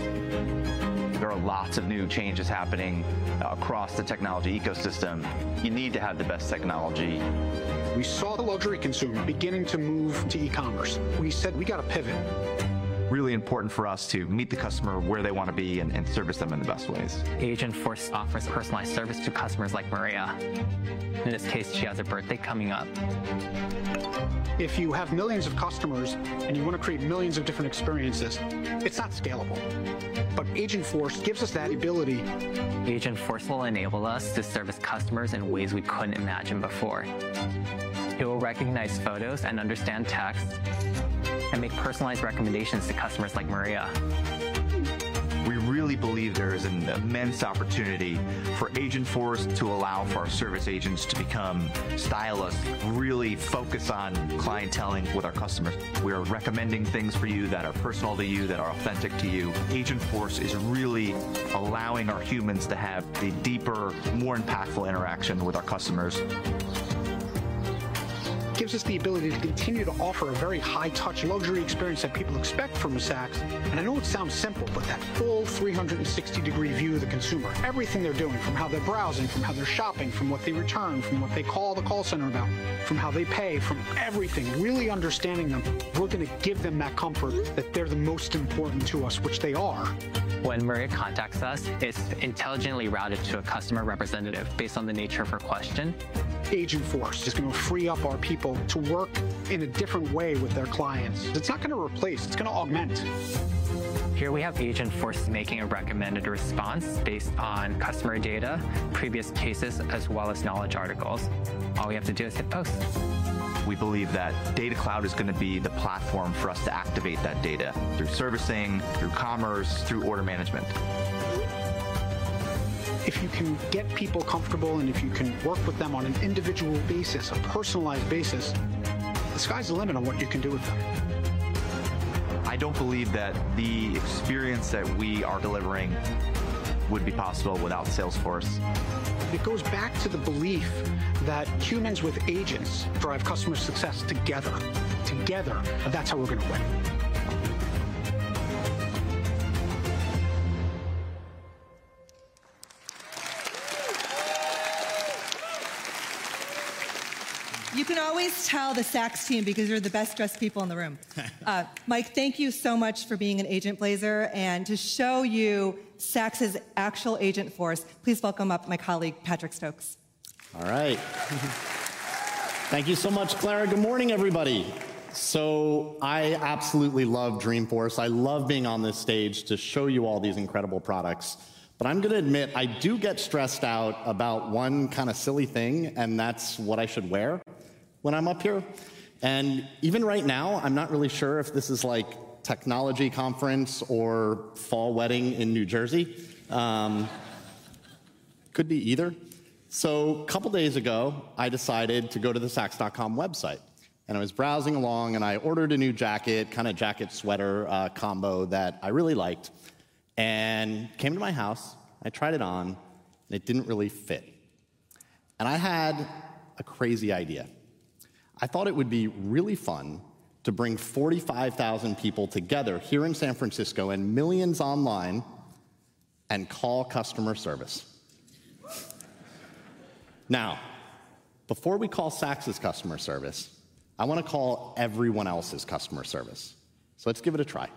There are lots of new changes happening across the technology ecosystem. You need to have the best technology. We saw the luxury consumer beginning to move to e-commerce. We said, "We've got to pivot. Really important for us to meet the customer where they want to be and service them in the best ways. Agentforce offers personalized service to customers like Maria. In this case, she has a birthday coming up. If you have millions of customers, and you want to create millions of different experiences, it's not scalable. But Agentforce gives us that ability. Agentforce will enable us to service customers in ways we couldn't imagine before. It will recognize photos and understand text and make personalized recommendations to customers like Maria. We really believe there is an immense opportunity for Agentforce to allow for our service agents to become stylists, really focus on clienteling with our customers. We are recommending things for you that are personal to you, that are authentic to you. Agentforce is really allowing our humans to have a deeper, more impactful interaction with our customers. Gives us the ability to continue to offer a very high-touch luxury experience that people expect from Saks, and I know it sounds simple, but that full 360-degree view of the consumer, everything they're doing, from how they're browsing, from how they're shopping, from what they return, from what they call the call center about, from how they pay, from everything, really understanding them. We're going to give them that comfort that they're the most important to us, which they are. When Maria contacts us, it's intelligently routed to a customer representative based on the nature of her question. Agentforce is going to free up our people to work in a different way with their clients. It's not going to replace. It's going to augment. Here, we have Agentforce making a recommended response based on customer data, previous cases, as well as knowledge articles. All we have to do is hit Post. We believe that Data Cloud is going to be the platform for us to activate that data through servicing, through commerce, through order management. If you can get people comfortable, and if you can work with them on an individual basis, a personalized basis, the sky's the limit on what you can do with them. I don't believe that the experience that we are delivering would be possible without Salesforce. It goes back to the belief that humans with agents drive customer success together. Together, that's how we're going to win. You can always tell the Saks team because they're the best-dressed people in the room. Mike, thank you so much for being an Agentblazers. And to show you Saks' actual Agentforce, please welcome up my colleague, Patrick Stokes. All right. Thank you so much, Clara. Good morning, everybody, so I absolutely love Dreamforce. I love being on this stage to show you all these incredible products, but I'm going to admit, I do get stressed out about one kind of silly thing, and that's what I should wear when I'm up here, and even right now, I'm not really sure if this is, like, technology conference or fall wedding in New Jersey. Could be either, so a couple of days ago, I decided to go to the Saks.com website, and I was browsing along, and I ordered a new jacket, kind of jacket-sweater, combo that I really liked. And it came to my house, I tried it on, and it didn't really fit, and I had a crazy idea. I thought it would be really fun to bring 45,000 people together here in San Francisco, and millions online, and call customer service. Now, before we call Saks' customer service, I want to call everyone else's customer service, so let's give it a try.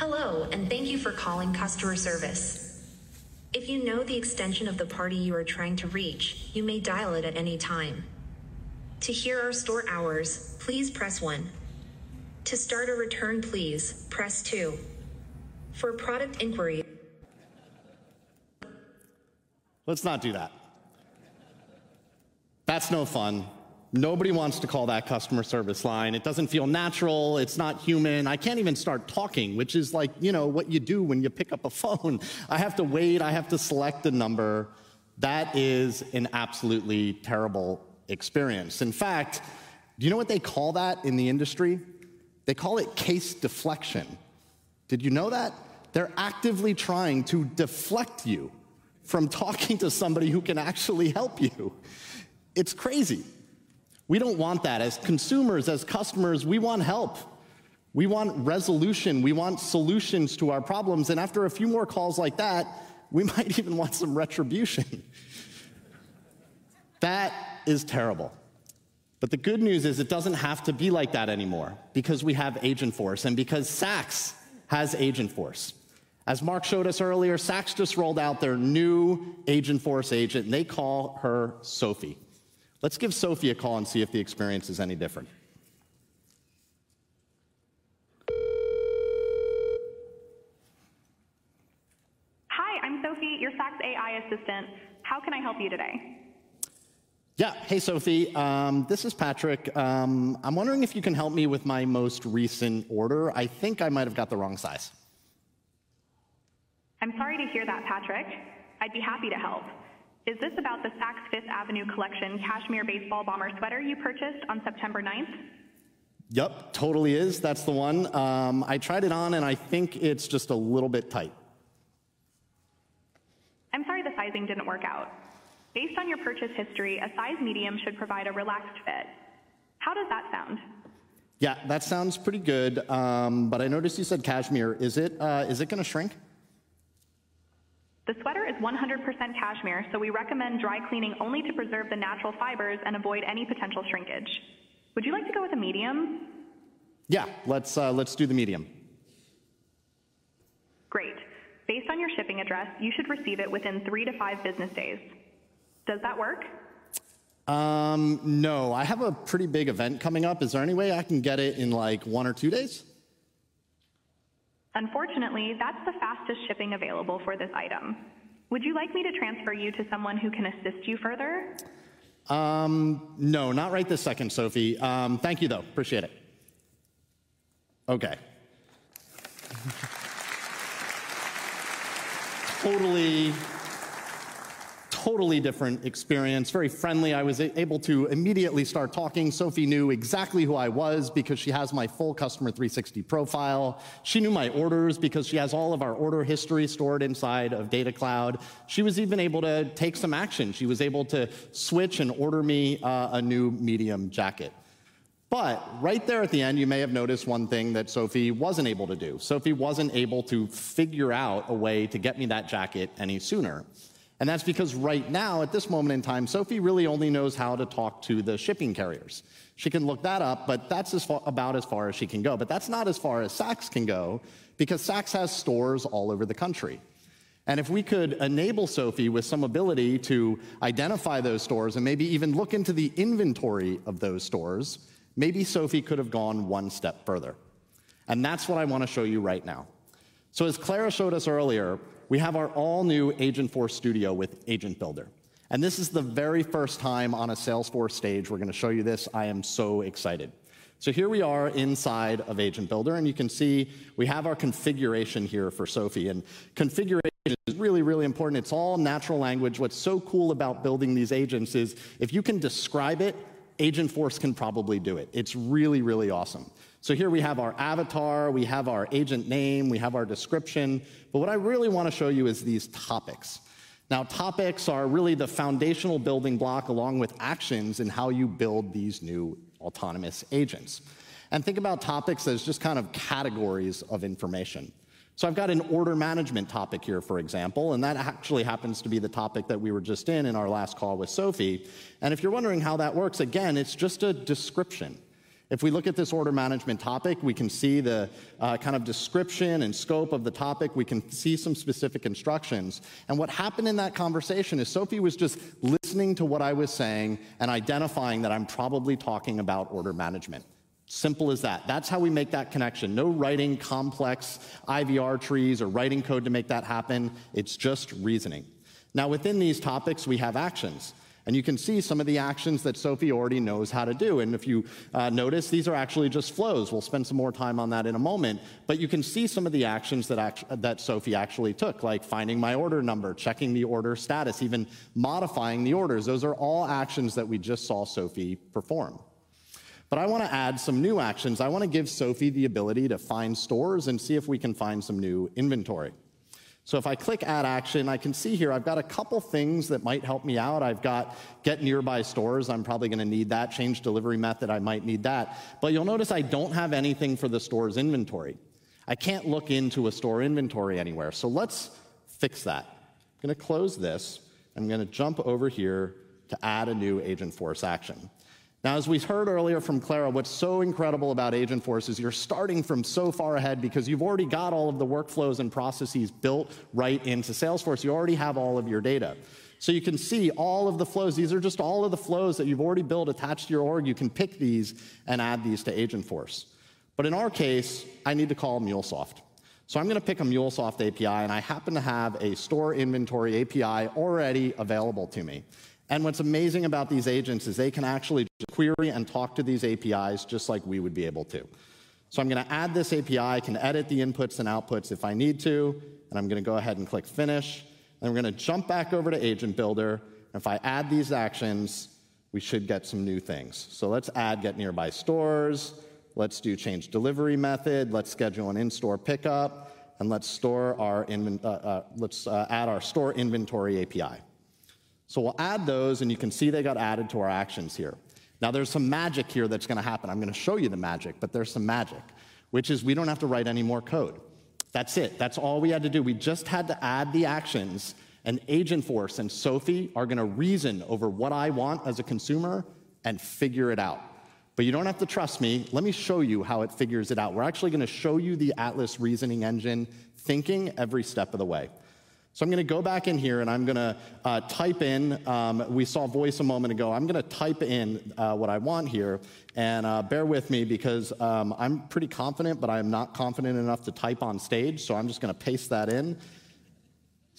Hello, and thank you for calling customer service. If you know the extension of the party you are trying to reach, you may dial it at any time. To hear our store hours, please press one. To start a return, please press two. For product inquiry. Let's not do that. That's no fun. Nobody wants to call that customer service line. It doesn't feel natural, it's not human. I can't even start talking, which is like, you know, what you do when you pick up a phone. I have to wait. I have to select a number. That is an absolutely terrible experience. In fact, do you know what they call that in the industry? They call it case deflection. Did you know that? They're actively trying to deflect you from talking to somebody who can actually help you. It's crazy. We don't want that. As consumers, as customers, we want help. We want resolution. We want solutions to our problems, and after a few more calls like that, we might even want some retribution. That is terrible. But the good news is, it doesn't have to be like that anymore because we have Agentforce and because Saks has Agentforce. As Marc showed us earlier, Saks just rolled out their new Agentforce agent, and they call her Sophie. Let's give Sophie a call and see if the experience is any different. Hi, I'm Sophie, your Saks AI assistant. How can I help you today? Yeah. Hey, Sophie. This is Patrick. I'm wondering if you can help me with my most recent order. I think I might have got the wrong size. I'm sorry to hear that, Patrick. I'd be happy to help. Is this about the Saks Fifth Avenue Collection cashmere baseball bomber sweater you purchased on September ninth? Yep, totally is. That's the one. I tried it on, and I think it's just a little bit tight. I'm sorry the sizing didn't work out. Based on your purchase history, a size medium should provide a relaxed fit. How does that sound? Yeah, that sounds pretty good. But I noticed you said cashmere. Is it gonna shrink? The sweater is 100% cashmere, so we recommend dry cleaning only to preserve the natural fibers and avoid any potential shrinkage. Would you like to go with a medium? Yeah, let's do the medium. Great. Based on your shipping address, you should receive it within three to five business days. Does that work? No. I have a pretty big event coming up. Is there any way I can get it in, like, one or two days? Unfortunately, that's the fastest shipping available for this item. Would you like me to transfer you to someone who can assist you further? No, not right this second, Sophie. Thank you, though. Appreciate it. Okay. Totally, totally different experience. Very friendly. I was able to immediately start talking. Sophie knew exactly who I was because she has my full Customer 360 profile. She knew my orders because she has all of our order history stored inside of Data Cloud. She was even able to take some action. She was able to switch and order me a new medium jacket. But right there at the end, you may have noticed one thing that Sophie wasn't able to do. Sophie wasn't able to figure out a way to get me that jacket any sooner, and that's because right now, at this moment in time, Sophie really only knows how to talk to the shipping carriers. She can look that up, but that's about as far as she can go. But that's not as far as Saks can go, because Saks has stores all over the country. And if we could enable Sophie with some ability to identify those stores and maybe even look into the inventory of those stores, maybe Sophie could have gone one step further. And that's what I want to show you right now. So as Clara showed us earlier, we have our all-new Agentforce Studio with Agent Builder, and this is the very first time on a Salesforce stage we're gonna show you this. I am so excited. So here we are inside of Agent Builder, and you can see we have our configuration here for Sophie, and configuration is really, really important. It's all natural language. What's so cool about building these agents is if you can describe it, Agentforce can probably do it. It's really, really awesome. So here we have our avatar, we have our agent name, we have our description, but what I really want to show you is these topics. Now, topics are really the foundational building block, along with actions, in how you build these new autonomous agents. And think about topics as just kind of categories of information. So I've got an order management topic here, for example, and that actually happens to be the topic that we were just in in our last call with Sophie. And if you're wondering how that works, again, it's just a description. If we look at this order management topic, we can see the kind of description and scope of the topic. We can see some specific instructions. And what happened in that conversation is Sophie was just listening to what I was saying and identifying that I'm probably talking about order management. Simple as that. That's how we make that connection. No writing complex IVR trees or writing code to make that happen. It's just reasoning. Now, within these topics, we have actions, and you can see some of the actions that Sophie already knows how to do, and if you notice, these are actually just flows. We'll spend some more time on that in a moment, but you can see some of the actions that Sophie actually took, like finding my order number, checking the order status, even modifying the orders. Those are all actions that we just saw Sophie perform. But I want to add some new actions. I want to give Sophie the ability to find stores and see if we can find some new inventory. So if I click Add Action, I can see here I've got a couple things that might help me out. I've got Get Nearby Stores. I'm probably gonna need that. Change Delivery Method, I might need that. But you'll notice I don't have anything for the store's inventory. I can't look into a store inventory anywhere, so let's fix that. I'm gonna close this, and I'm gonna jump over here to add a new Agentforce action. Now, as we heard earlier from Clara, what's so incredible about Agentforce is you're starting from so far ahead because you've already got all of the workflows and processes built right into Salesforce. You already have all of your data. So you can see all of the flows. These are just all of the flows that you've already built attached to your org. You can pick these and add these to Agentforce. But in our case, I need to call MuleSoft. I'm gonna pick a MuleSoft API, and I happen to have a Store Inventory API already available to me. And what's amazing about these agents is they can actually query and talk to these APIs just like we would be able to. So I'm gonna add this API. I can edit the inputs and outputs if I need to, and I'm gonna go ahead and click Finish. Then we're gonna jump back over to Agent Builder, and if I add these actions, we should get some new things. So let's add Get Nearby Stores, let's do Change Delivery Method, let's schedule an in-store pickup, and let's add our Store Inventory API. So we'll add those, and you can see they got added to our actions here. Now, there's some magic here that's gonna happen. I'm gonna show you the magic, but there's some magic, which is we don't have to write any more code. That's it. That's all we had to do. We just had to add the actions, and Agentforce and Sophie are gonna reason over what I want as a consumer and figure it out. But you don't have to trust me. Let me show you how it figures it out. We're actually gonna show Atlas Reasoning Engine thinking every step of the way. So I'm gonna go back in here, and I'm gonna type in... We saw voice a moment ago. I'm gonna type in what I want here, and bear with me because I'm pretty confident, but I am not confident enough to type on stage, so I'm just gonna paste that in.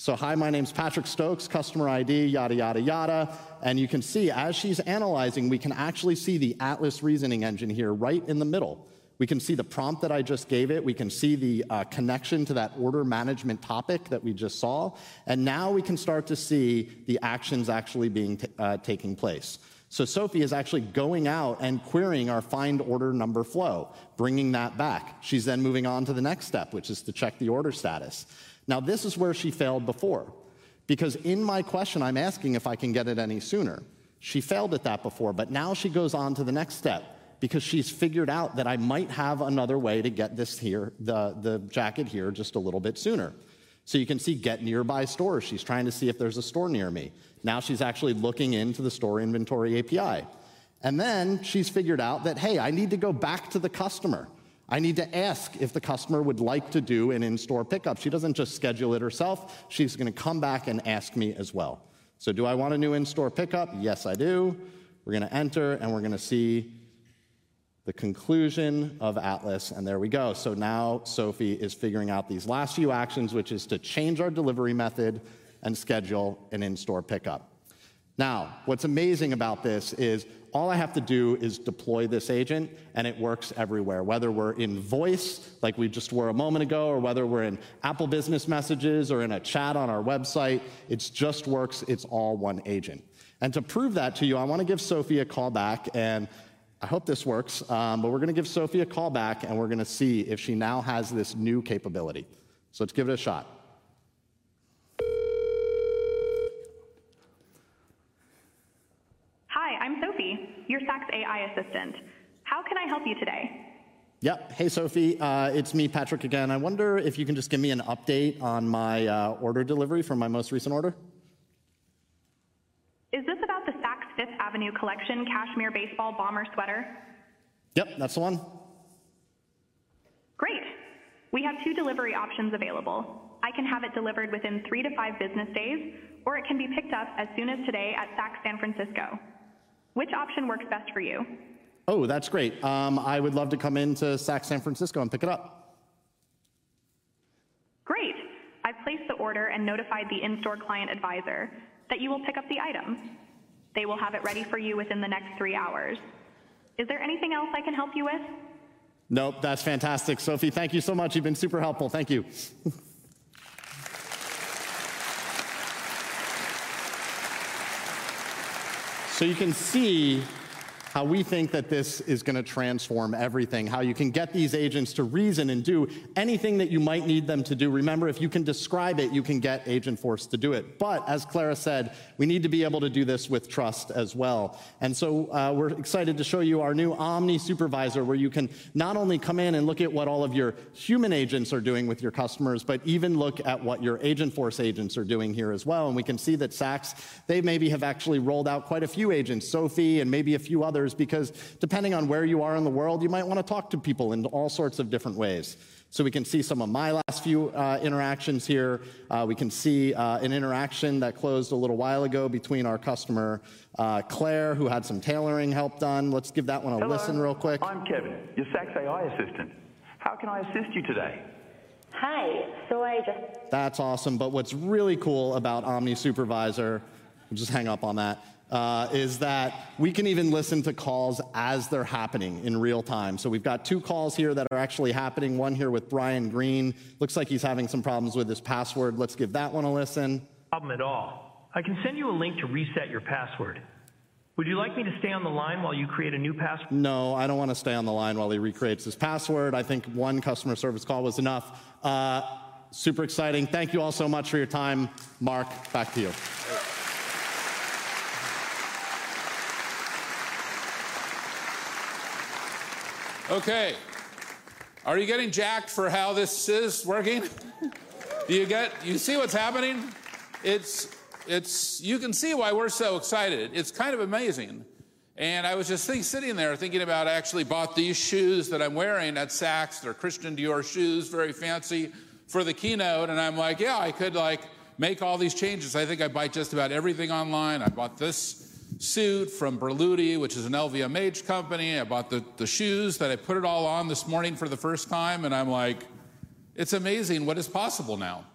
Hi, my name's Patrick Stokes, customer ID, yada, yada, yada." And you can see, as she's analyzing, we can actually Atlas Reasoning Engine here right in the middle. We can see the prompt that I just gave it. We can see the connection to that order management topic that we just saw, and now we can start to see the actions actually being taking place. Sophie is actually going out and querying our Find Order Number flow, bringing that back. She's then moving on to the next step, which is to check the order status. Now, this is where she failed before, because in my question, I'm asking if I can get it any sooner. She failed at that before, but now she goes on to the next step because she's figured out that I might have another way to get this here, the jacket here, just a little bit sooner. So you can see Get Nearby Store. She's trying to see if there's a store near me. Now, she's actually looking into the Store Inventory API. And then she's figured out that, "Hey, I need to go back to the customer. I need to ask if the customer would like to do an in-store pickup." She doesn't just schedule it herself. She's gonna come back and ask me as well. So do I want a new in-store pickup? Yes, I do. We're gonna enter, and we're gonna see the conclusion of Atlas, and there we go. So now Sophie is figuring out these last few actions, which is to change our delivery method and schedule an in-store pickup. Now, what's amazing about this is all I have to do is deploy this agent, and it works everywhere, whether we're in voice, like we just were a moment ago, or whether we're in Apple Business Messages or in a chat on our website. It just works. It's all one agent. And to prove that to you, I wanna give Sophie a call back, and I hope this works, but we're gonna give Sophie a call back, and we're gonna see if she now has this new capability. So let's give it a shot. Hi, I'm Sophie, your Saks AI assistant. How can I help you today? Yep. Hey, Sophie. It's me, Patrick, again. I wonder if you can just give me an update on my order delivery for my most recent order. Is this about the Saks Fifth Avenue Collection cashmere baseball bomber sweater? Yep, that's the one. Great! We have two delivery options available. I can have it delivered within three to five business days, or it can be picked up as soon as today at Saks San Francisco. Which option works best for you? Oh, that's great. I would love to come in to Saks San Francisco and pick it up. Great. I've placed the order and notified the in-store client advisor that you will pick up the item. They will have it ready for you within the next three hours. Is there anything else I can help you with? Nope. That's fantastic, Sophie. Thank you so much. You've been super helpful. Thank you. So you can see how we think that this is gonna transform everything, how you can get these agents to reason and do anything that you might need them to do. Remember, if you can describe it, you can get Agentforce to do it. But as Clara said, we need to be able to do this with trust as well. And so, we're excited to show you our new Omni Supervisor, where you can not only come in and look at what all of your human agents are doing with your customers, but even look at what your Agentforce agents are doing here as well. We can see that Saks, they maybe have actually rolled out quite a few agents, Sophie and maybe a few others, because depending on where you are in the world, you might wanna talk to people in all sorts of different ways. We can see some of my last few interactions here. We can see an interaction that closed a little while ago between our customer Claire, who had some tailoring help done. Let's give that one a listen real quick. Hello, I'm Kevin, your Saks AI assistant. How can I assist you today? Hi. So I just- That's awesome, but what's really cool about Omni Supervisor, I'll just hang up on that, is that we can even listen to calls as they're happening in real time. So we've got two calls here that are actually happening, one here with Brian Green. Looks like he's having some problems with his password. Let's give that one a listen. Problem at all. I can send you a link to reset your password. Would you like me to stay on the line while you create a new pass- No, I don't wanna stay on the line while he recreates his password. I think one customer service call was enough. Super exciting. Thank you all so much for your time. Mark, back to you. Okay, are you getting jacked for how this is working? Do you get it? Do you see what's happening? It's. It's. You can see why we're so excited. It's kind of amazing, and I was just sitting there thinking about I actually bought these shoes that I'm wearing at Saks. They're Christian Dior shoes, very fancy, for the keynote, and I'm like: Yeah, I could, like, make all these changes. I think I buy just about everything online. I bought this suit from Berluti, which is an LVMH company. I bought the, the shoes, then I put it all on this morning for the first time, and I'm like, "It's amazing what is possible now."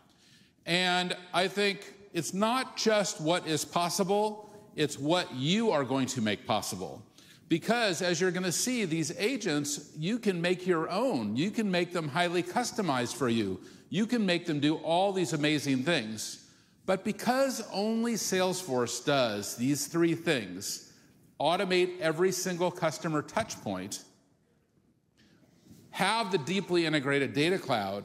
And I think it's not just what is possible. It's what you are going to make possible. Because, as you're going to see, these agents, you can make your own. You can make them highly customized for you. You can make them do all these amazing things. But because only Salesforce does these three things, automate every single customer touchpoint, have the deeply integrated Data Cloud,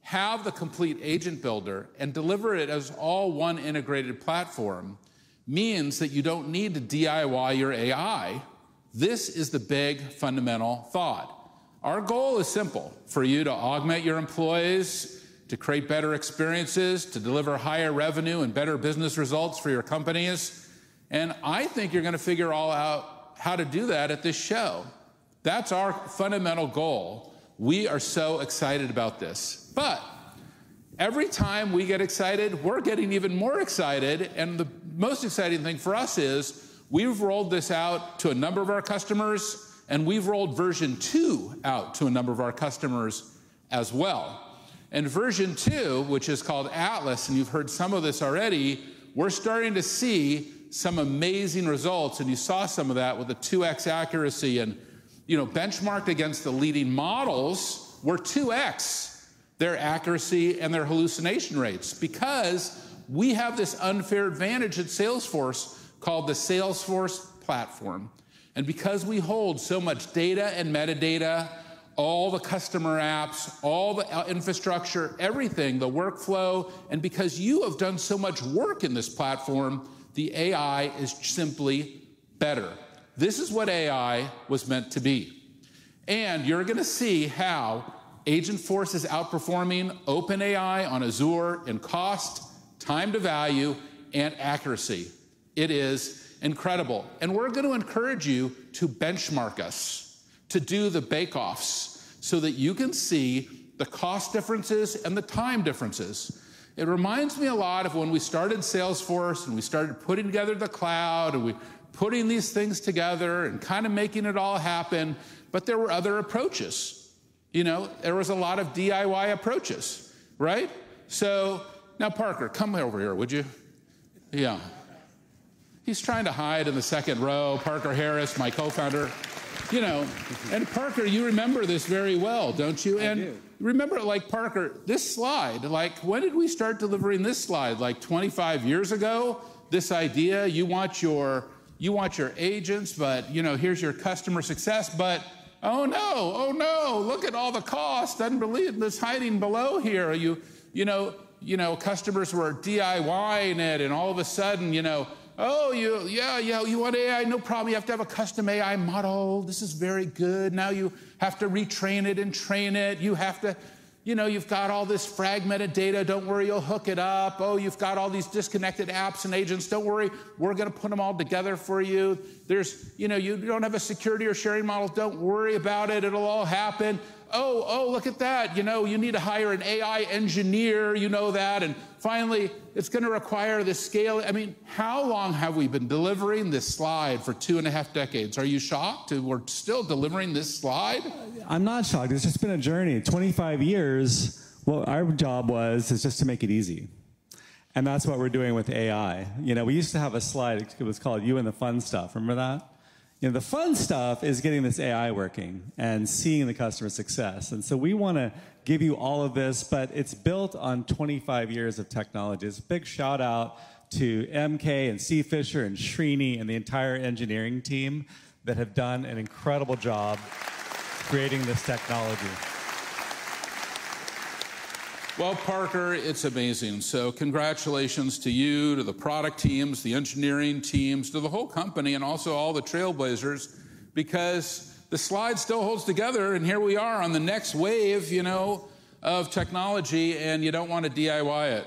have the complete Agent Builder, and deliver it as all one integrated platform, means that you don't need to DIY your AI. This is the big, fundamental thought. Our goal is simple: for you to augment your employees, to create better experiences, to deliver higher revenue and better business results for your companies, and I think you're going to figure all out how to do that at this show. That's our fundamental goal. We are so excited about this. But every time we get excited, we're getting even more excited, and the most exciting thing for us is we've rolled this out to a number of our customers, and we've rolled version two out to a number of our customers as well. And version two, which is called Atlas, and you've heard some of this already, we're starting to see some amazing results, and you saw some of that with the 2x accuracy and, you know, benchmarked against the leading models, we're 2x their accuracy and their hallucination rates because we have this unfair advantage at Salesforce called the Salesforce Platform. And because we hold so much data and metadata, all the customer apps, all the out-of-the-box infrastructure, everything, the workflow, and because you have done so much work in this platform, the AI is simply better. This is what AI was meant to be. You're going to see how Agentforce is outperforming OpenAI on Azure in cost, time to value, and accuracy. It is incredible. And we're going to encourage you to benchmark us, to do the bake-offs, so that you can see the cost differences and the time differences. It reminds me a lot of when we started Salesforce, and we started putting together the cloud, and putting these things together and kind of making it all happen, but there were other approaches. You know, there was a lot of DIY approaches, right? So now, Parker, come over here, would you? Yeah. He's trying to hide in the second row. Parker Harris, my co-founder. You know. And Parker, you remember this very well, don't you? I do. Remember, like, Parker, this slide, like, when did we start delivering this slide? Like, 25 years ago? This idea, you want your, you want your agents, but, you know, here's your customer success. But, oh, no! Oh, no! Look at all the costs unbelievable that's hiding below here. You, you know, you know, customers were DIYing it, and all of a sudden, you know: "Oh, you, yeah, yeah, you want AI? No problem. You have to have a custom AI model. This is very good. Now you have to retrain it and train it. You have to. You know, you've got all this fragmented data. Don't worry, you'll hook it up. Oh, you've got all these disconnected apps and agents. Don't worry, we're going to put them all together for you. There's. You know, you don't have a security or sharing model. Don't worry about it. It'll all happen. Oh, oh, look at that. You know, you need to hire an AI engineer. You know that, and finally, it's going to require this scale. I mean, how long have we been delivering this slide? For two and a half decades. Are you shocked that we're still delivering this slide? I'm not shocked. It's just been a journey. 25 years. Well, our job was just to make it easy, and that's what we're doing with AI. You know, we used to have a slide. It was called "You and the Fun Stuff." Remember that? You know, the fun stuff is getting this AI working and seeing the customer success. And so we want to give you all of this, but it's built on 25 years of technology. So big shout-out to MK and C. Fisher and Srini and the entire engineering team that have done an incredible job creating this technology. Parker, it's amazing. So congratulations to you, to the product teams, the engineering teams, to the whole company, and also all the Trailblazers, because the slide still holds together, and here we are on the next wave, you know, of technology, and you don't want to DIY it.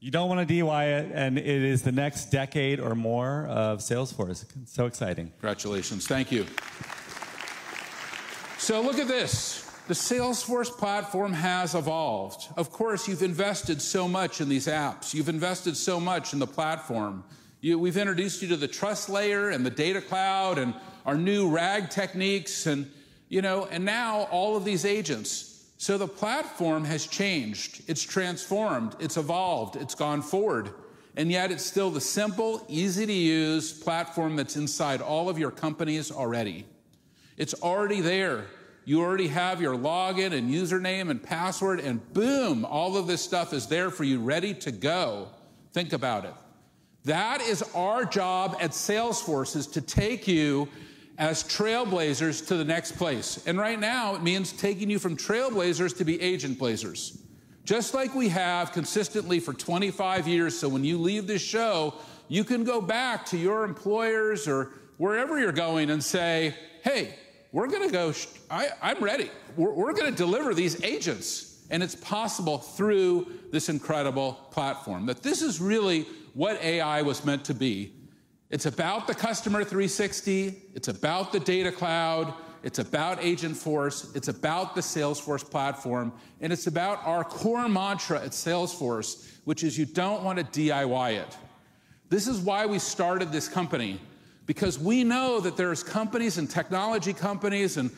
You don't want to DIY it, and it is the next decade or more of Salesforce. So exciting. Congratulations. Thank you. So look at this. The Salesforce Platform has evolved. Of course, you've invested so much in these apps. You've invested so much in the platform. We've introduced you to the Trust Layer and the Data Cloud and our new RAG techniques and, you know, and now all of these agents. So the platform has changed, it's transformed, it's evolved, it's gone forward, and yet it's still the simple, easy-to-use platform that's inside all of your companies already. It's already there. You already have your login and username and password, and boom, all of this stuff is there for you, ready to go. Think about it. That is our job at Salesforce, is to take you as Trailblazers to the next place, and right now, it means taking you from Trailblazers to be Agentblazers. Just like we have consistently for 25 years, so when you leave this show, you can go back to your employers or wherever you're going and say, "Hey, I'm ready. We're gonna deliver these agents!" And it's possible through this incredible platform, that this is really what AI was meant to be. It's about the Customer 360, it's about the Data Cloud, it's about Agentforce, it's about the Salesforce Platform, and it's about our core mantra at Salesforce, which is you don't want to DIY it. This is why we started this company, because we know that there's companies and technology companies and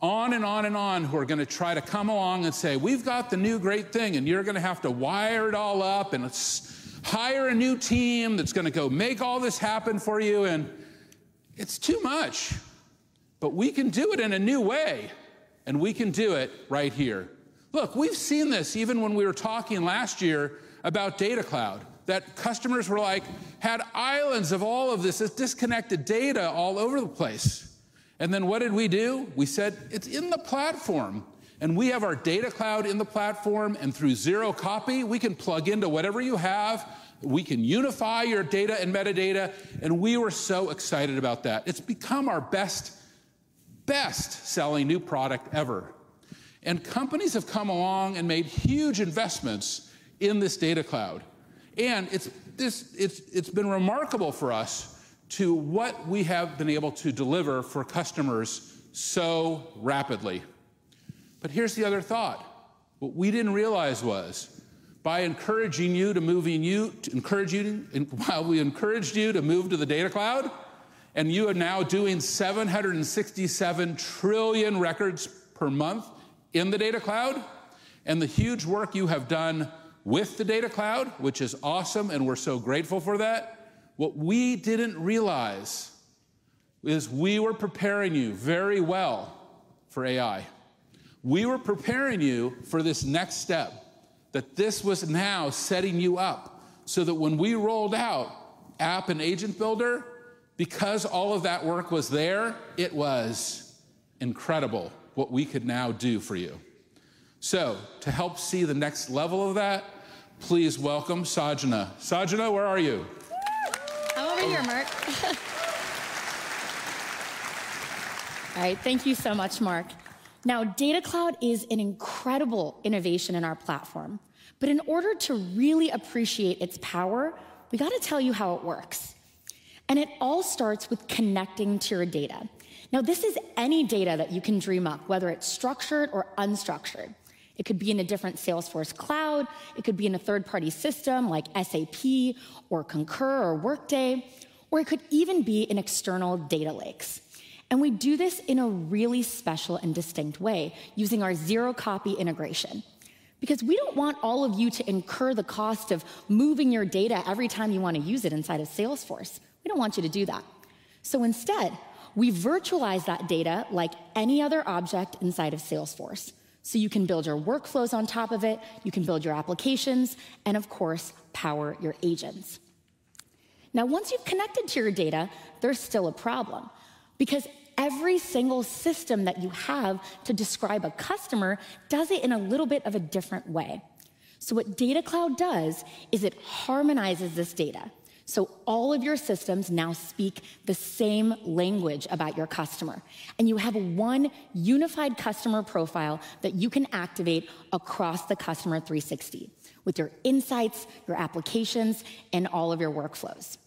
on and on and on, who are gonna try to come along and say, "We've got the new great thing, and you're gonna have to wire it all up, and let's hire a new team that's gonna go make all this happen for you," and it's too much, but we can do it in a new way, and we can do it right here. Look, we've seen this even when we were talking last year about Data Cloud, that customers were like, had islands of all of this, this disconnected data all over the place, and then what did we do? We said, "It's in the platform, and we have our Data Cloud in the platform, and through Zero Copy, we can plug into whatever you have, we can unify your data and metadata," and we were so excited about that. It's become our best, best-selling new product ever. And companies have come along and made huge investments in this Data Cloud, and it's been remarkable for us to what we have been able to deliver for customers so rapidly. But here's the other thought: what we didn't realize was, by encouraging you to move, while we encouraged you to move to the Data Cloud, and you are now doing 767 trillion records per month in the Data Cloud, and the huge work you have done with the Data Cloud, which is awesome, and we're so grateful for that, what we didn't realize is we were preparing you very well for AI. We were preparing you for this next step, that this was now setting you up, so that when we rolled out Agent Builder, because all of that work was there, it was incredible what we could now do for you. So to help see the next level of that, please welcome Sanjna. Sanjna, where are you? I'm over here, Marc. All right. Thank you so much, Marc. Now, Data Cloud is an incredible innovation in our platform, but in order to really appreciate its power, we've got to tell you how it works, and it all starts with connecting to your data. Now, this is any data that you can dream up, whether it's structured or unstructured. It could be in a different Salesforce cloud, it could be in a third-party system like SAP or Concur or Workday, or it could even be in external data lakes, and we do this in a really special and distinct way, using our Zero Copy integration. Because we don't want all of you to incur the cost of moving your data every time you want to use it inside of Salesforce. We don't want you to do that. So instead, we virtualize that data like any other object inside of Salesforce. So you can build your workflows on top of it, you can build your applications, and of course, power your agents. Now, once you've connected to your data, there's still a problem, because every single system that you have to describe a customer does it in a little bit of a different way. So what Data Cloud does is it harmonizes this data, so all of your systems now speak the same language about your customer, and you have one unified customer profile that you can activate across the Customer 360, with your insights, your applications, and all of your workflows.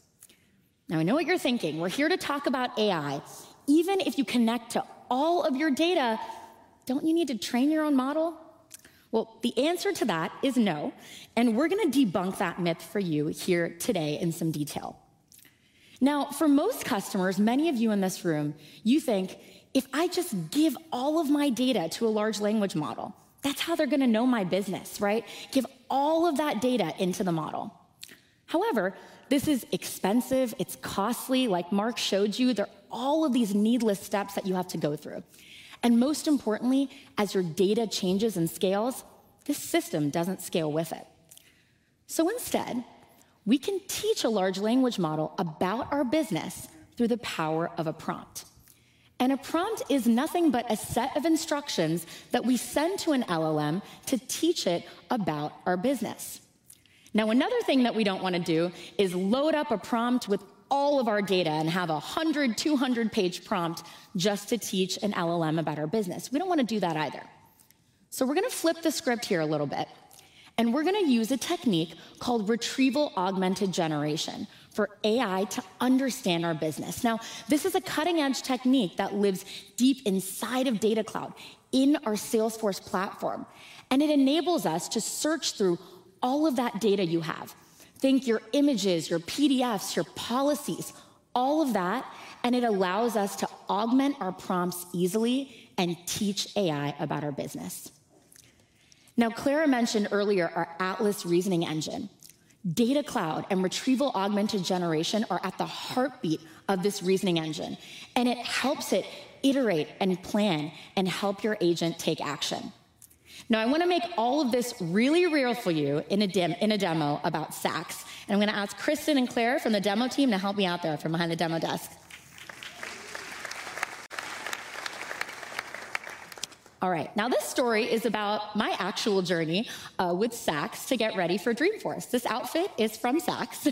Now, I know what you're thinking. We're here to talk about AI. Even if you connect to all of your data, don't you need to train your own model? The answer to that is no, and we're gonna debunk that myth for you here today in some detail. Now, for most customers, many of you in this room, you think, "If I just give all of my data to a large language model, that's how they're gonna know my business, right? Give all of that data into the model." However, this is expensive. It's costly. Like Marc showed you, there are all of these needless steps that you have to go through. Most importantly, as your data changes and scales, this system doesn't scale with it. Instead, we can teach a large language model about our business through the power of a prompt. A prompt is nothing but a set of instructions that we send to an LLM to teach it about our business. Now, another thing that we don't wanna do is load up a prompt with all of our data and have a hundred, two hundred page prompt just to teach an LLM about our business. We don't wanna do that either. So we're gonna flip the script here a little bit, and we're gonna use a technique called Retrieval-Augmented Generation for AI to understand our business. Now, this is a cutting-edge technique that lives deep inside of Data Cloud in our Salesforce Platform, and it enables us to search through all of that data you have. Think your images, your PDFs, your policies, all of that, and it allows us to augment our prompts easily and teach AI about our business. Now, Clara mentioned earlier our Atlas Reasoning Engine. Data Cloud and Retrieval-Augmented Generation are at the heartbeat of this reasoning engine, and it helps it iterate and plan and help your agent take action. Now, I wanna make all of this really real for you in a demo about Saks, and I'm gonna ask Kristen and Claire from the demo team to help me out there from behind the demo desk. All right, now this story is about my actual journey with Saks to get ready for Dreamforce. This outfit is from Saks,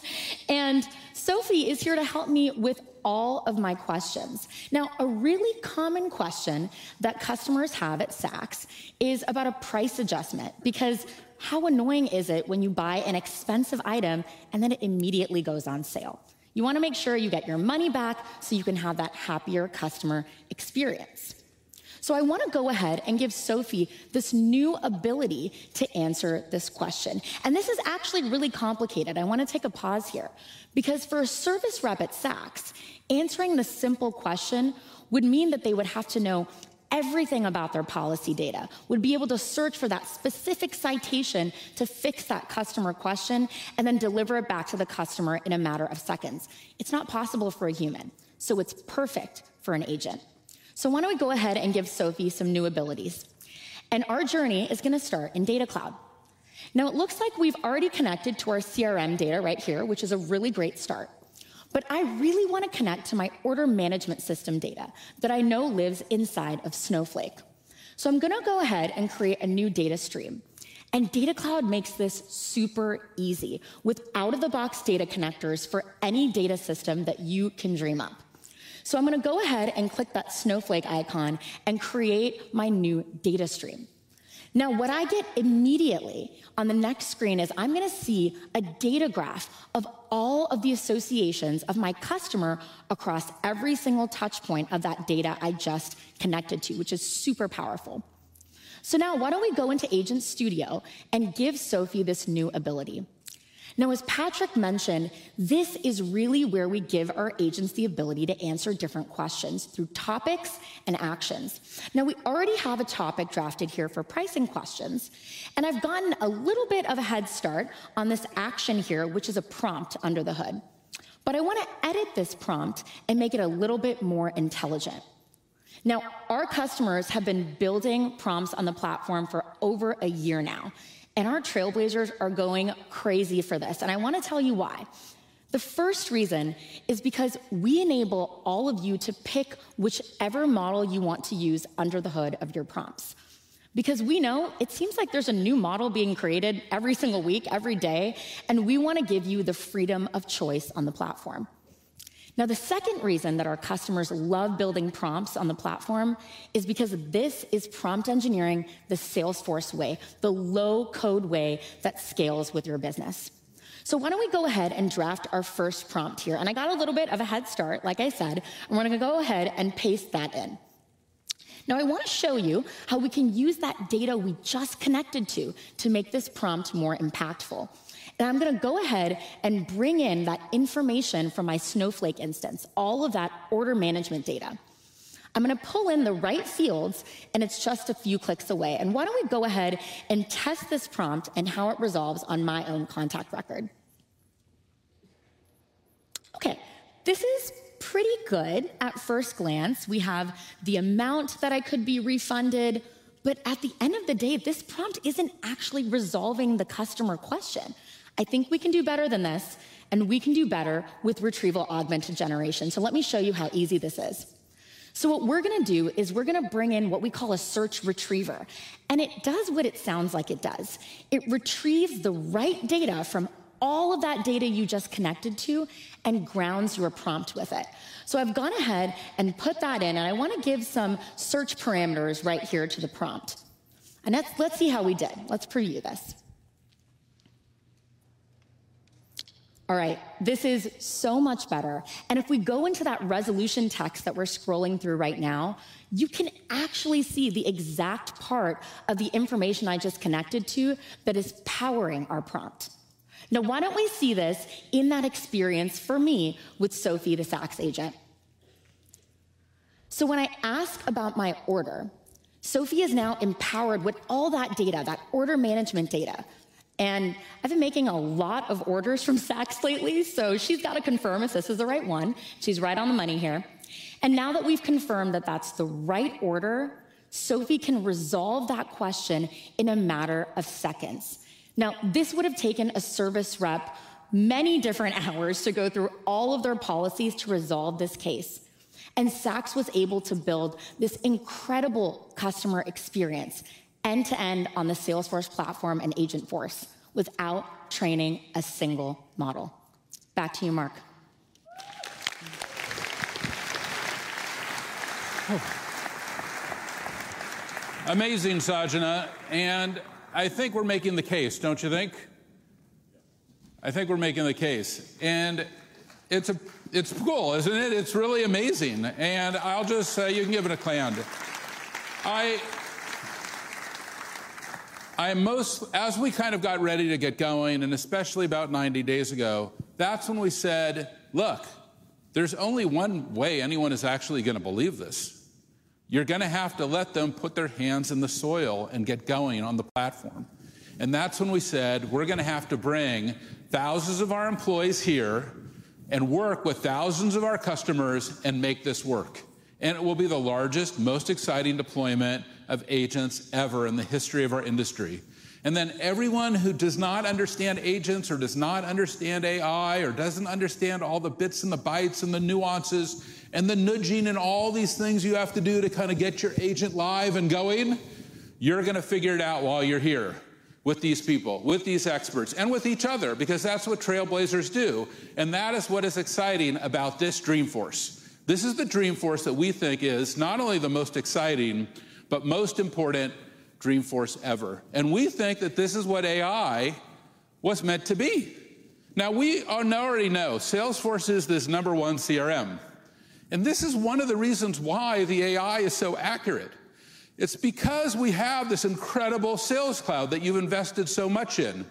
and Sophie is here to help me with all of my questions. Now, a really common question that customers have at Saks is about a price adjustment, because how annoying is it when you buy an expensive item and then it immediately goes on sale? You want to make sure you get your money back, so you can have that happier customer experience. So I want to go ahead and give Sophie this new ability to answer this question, and this is actually really complicated. I want to take a pause here, because for a service rep at Saks, answering this simple question would mean that they would have to know everything about their policy data, would be able to search for that specific citation to fix that customer question, and then deliver it back to the customer in a matter of seconds. It's not possible for a human, so it's perfect for an agent. So why don't we go ahead and give Sophie some new abilities? And our journey is going to start in Data Cloud. Now, it looks like we've already connected to our CRM data right here, which is a really great start. But I really want to connect to my order management system data that I know lives inside of Snowflake. So I'm going to go ahead and create a new data stream. And Data Cloud makes this super easy with out-of-the-box data connectors for any data system that you can dream up. So I'm going to go ahead and click that Snowflake icon and create my new data stream. Now, what I get immediately on the next screen is I'm going to see a data graph of all of the associations of my customer across every single touch point of that data I just connected to, which is super powerful. So now why don't we go into Agentforce Studio and give Sophie this new ability? Now, as Patrick mentioned, this is really where we give our agents the ability to answer different questions through topics and actions. Now, we already have a topic drafted here for pricing questions, and I've gotten a little bit of a head start on this action here, which is a prompt under the hood. But I want to edit this prompt and make it a little bit more intelligent. Now, our customers have been building prompts on the platform for over a year now, and our Trailblazers are going crazy for this, and I want to tell you why. The first reason is because we enable all of you to pick whichever model you want to use under the hood of your prompts. Because we know it seems like there's a new model being created every single week, every day, and we want to give you the freedom of choice on the platform. Now, the second reason that our customers love building prompts on the platform is because this is prompt engineering, the Salesforce way, the low-code way that scales with your business, so why don't we go ahead and draft our first prompt here? And I got a little bit of a head start, like I said, I'm going to go ahead and paste that in. Now, I want to show you how we can use that data we just connected to, to make this prompt more impactful, and I'm going to go ahead and bring in that information from my Snowflake instance, all of that order management data. I'm going to pull in the right fields, and it's just a few clicks away, and why don't we go ahead and test this prompt and how it resolves on my own contact record? Okay, this is pretty good at first glance. We have the amount that I could be refunded, but at the end of the day, this prompt isn't actually resolving the customer question. I think we can do better than this, and we can do better with Retrieval-Augmented Generation. So let me show you how easy this is, so what we're going to do is we're going to bring in what we call a search retriever, and it does what it sounds like it does. It retrieves the right data from all of that data you just connected to and grounds your prompt with it. So I've gone ahead and put that in, and I want to give some search parameters right here to the prompt. And let's see how we did. Let's preview this. All right, this is so much better. And if we go into that resolution text that we're scrolling through right now, you can actually see the exact part of the information I just connected to that is powering our prompt. Now, why don't we see this in that experience for me with Sophie, the Saks agent? So when I ask about my order, Sophie is now empowered with all that data, that order management data, and I've been making a lot of orders from Saks lately, so she's got to confirm if this is the right one. She's right on the money here. Now that we've confirmed that that's the right order, Sophie can resolve that question in a matter of seconds. Now, this would have taken a service rep many different hours to go through all of their policies to resolve this case. Saks was able to build this incredible customer experience end-to-end on the Salesforce Platform and Agentforce without training a single model. Back to you, Marc. Amazing, Sanjna, and I think we're making the case, don't you think? I think we're making the case, and it's a it's cool, isn't it? It's really amazing. And I'll just, You can give it a hand. As we kind of got ready to get going, and especially about ninety days ago, that's when we said: "Look, there's only one way anyone is actually going to believe this. You're going to have to let them put their hands in the soil and get going on the platform." And that's when we said: "We're going to have to bring thousands of our employees here and work with thousands of our customers and make this work. And it will be the largest, most exciting deployment of agents ever in the history of our industry, and then everyone who does not understand agents or does not understand AI or doesn't understand all the bits and the bytes and the nuances and the nudging and all these things you have to do to kind of get your agent live and going, you're going to figure it out while you're here... with these people, with these experts, and with each other, because that's what trailblazers do, and that is what is exciting about this Dreamforce. This is the Dreamforce that we think is not only the most exciting, but most important Dreamforce ever, and we think that this is what AI was meant to be. Now, we already know Salesforce is this number one CRM, and this is one of the reasons why the AI is so accurate. It's because we have this incredible Sales Cloud that you've invested so much in,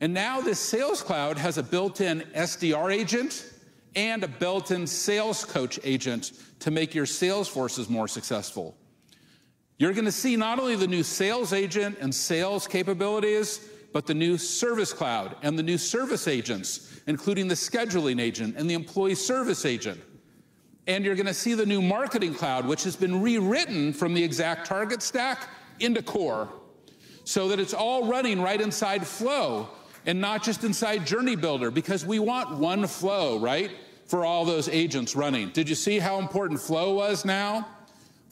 and now this Sales Cloud has a built-in SDR agent and a built-in sales coach agent to make your sales forces more successful. You're gonna see not only the new sales agent and sales capabilities, but the new Service Cloud and the new service agents, including the scheduling agent and the employee service agent, and you're gonna see the new Marketing Cloud, which has been rewritten from the ExactTarget stack into core, so that it's all running right inside Flow and not just inside Journey Builder, because we want one Flow, right? For all those agents running. Did you see how important Flow was now?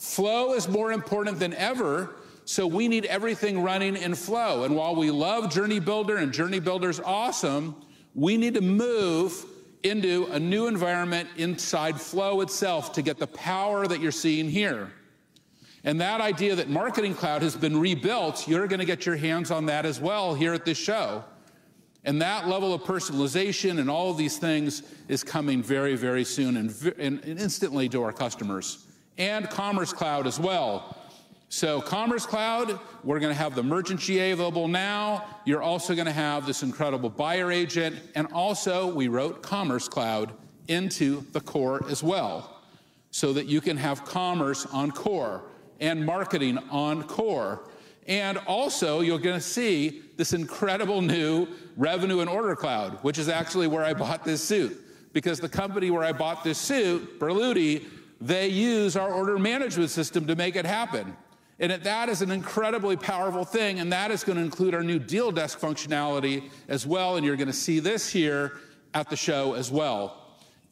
Flow is more important than ever, so we need everything running in Flow. And while we love Journey Builder, and Journey Builder's awesome, we need to move into a new environment inside Flow itself to get the power that you're seeing here. And that idea that Marketing Cloud has been rebuilt, you're gonna get your hands on that as well here at this show. And that level of personalization and all of these things is coming very, very soon and instantly to our customers. And Commerce Cloud as well. So Commerce Cloud, we're gonna have the Merchant GA available now. You're also gonna have this incredible buyer agent, and also, we wrote Commerce Cloud into the Core as well, so that you can have commerce on Core and marketing on Core. And also, you're gonna see this incredible new Revenue and Order Cloud, which is actually where I bought this suit, because the company where I bought this suit, Berluti, they use our order management system to make it happen, and that is an incredibly powerful thing, and that is gonna include our new deal desk functionality as well, and you're gonna see this here at the show as well.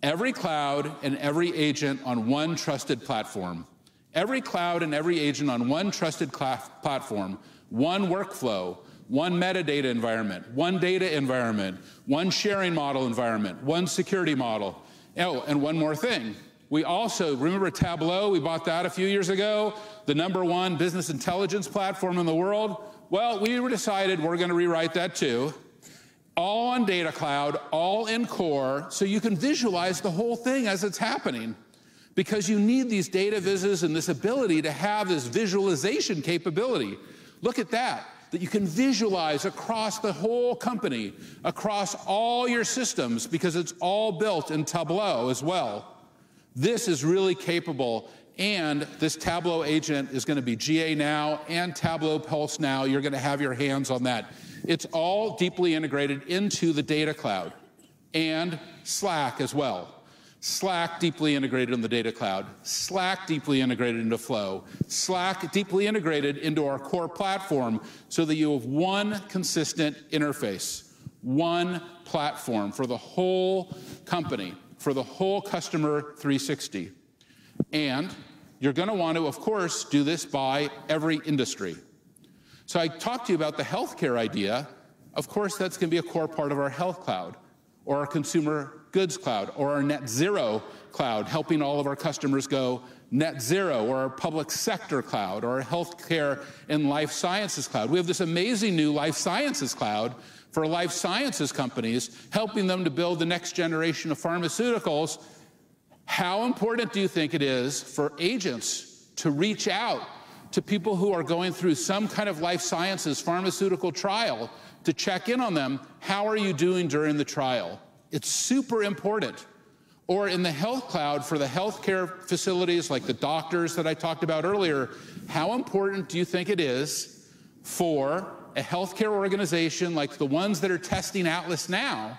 Every cloud and every agent on one trusted platform. Every cloud and every agent on one trusted platform, one workflow, one metadata environment, one data environment, one sharing model environment, one security model. Oh, and one more thing: Remember Tableau? We bought that a few years ago, the number one business intelligence platform in the world. We decided we're gonna rewrite that, too, all on Data Cloud, all in Core, so you can visualize the whole thing as it's happening because you need these data vizes and this ability to have this visualization capability. Look at that, that you can visualize across the whole company, across all your systems, because it's all built in Tableau as well. This is really capable, and this Tableau agent is gonna be GA now and Tableau Pulse now. You're gonna have your hands on that. It's all deeply integrated into the Data Cloud, and Slack as well. Slack, deeply integrated in the Data Cloud. Slack, deeply integrated into Flow. Slack, deeply integrated into our Core platform so that you have one consistent interface, one platform for the whole company, for the whole Customer 360. You're gonna want to, of course, do this by every industry. So I talked to you about the healthcare idea. Of course, that's gonna be a core part of our Health Cloud or our Consumer Goods Cloud, or our Net Zero Cloud, helping all of our customers go net zero, or our Public Sector Cloud, or our Health Cloud and Life Sciences Cloud. We have this amazing new Life Sciences Cloud for life sciences companies, helping them to build the next generation of pharmaceuticals. How important do you think it is for agents to reach out to people who are going through some kind of life sciences pharmaceutical trial to check in on them? "How are you doing during the trial?" It's super important. Or in the Health Cloud for the healthcare facilities, like the doctors that I talked about earlier, how important do you think it is for a healthcare organization, like the ones that are testing Atlas now,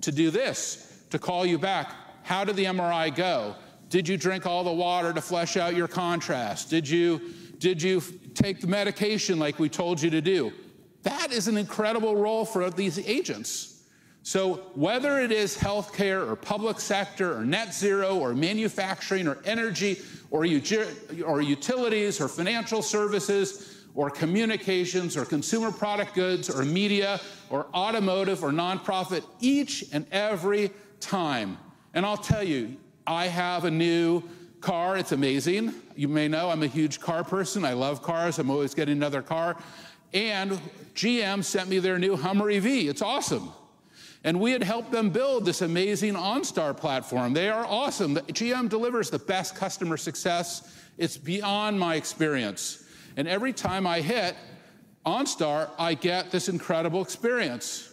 to do this, to call you back? "How did the MRI go? Did you drink all the water to flush out your contrast? Did you take the medication like we told you to do?" That is an incredible role for these agents. So whether it is healthcare or public sector or Net Zero or manufacturing or energy or utilities or financial services or communications or consumer goods or media or automotive or nonprofit, each and every time. And I'll tell you, I have a new car. It's amazing. You may know I'm a huge car person. I love cars. I'm always getting another car, and GM sent me their new Hummer EV. It's awesome, and we had helped them build this amazing OnStar platform. They are awesome. GM delivers the best customer success. It's beyond my experience, and every time I hit OnStar, I get this incredible experience.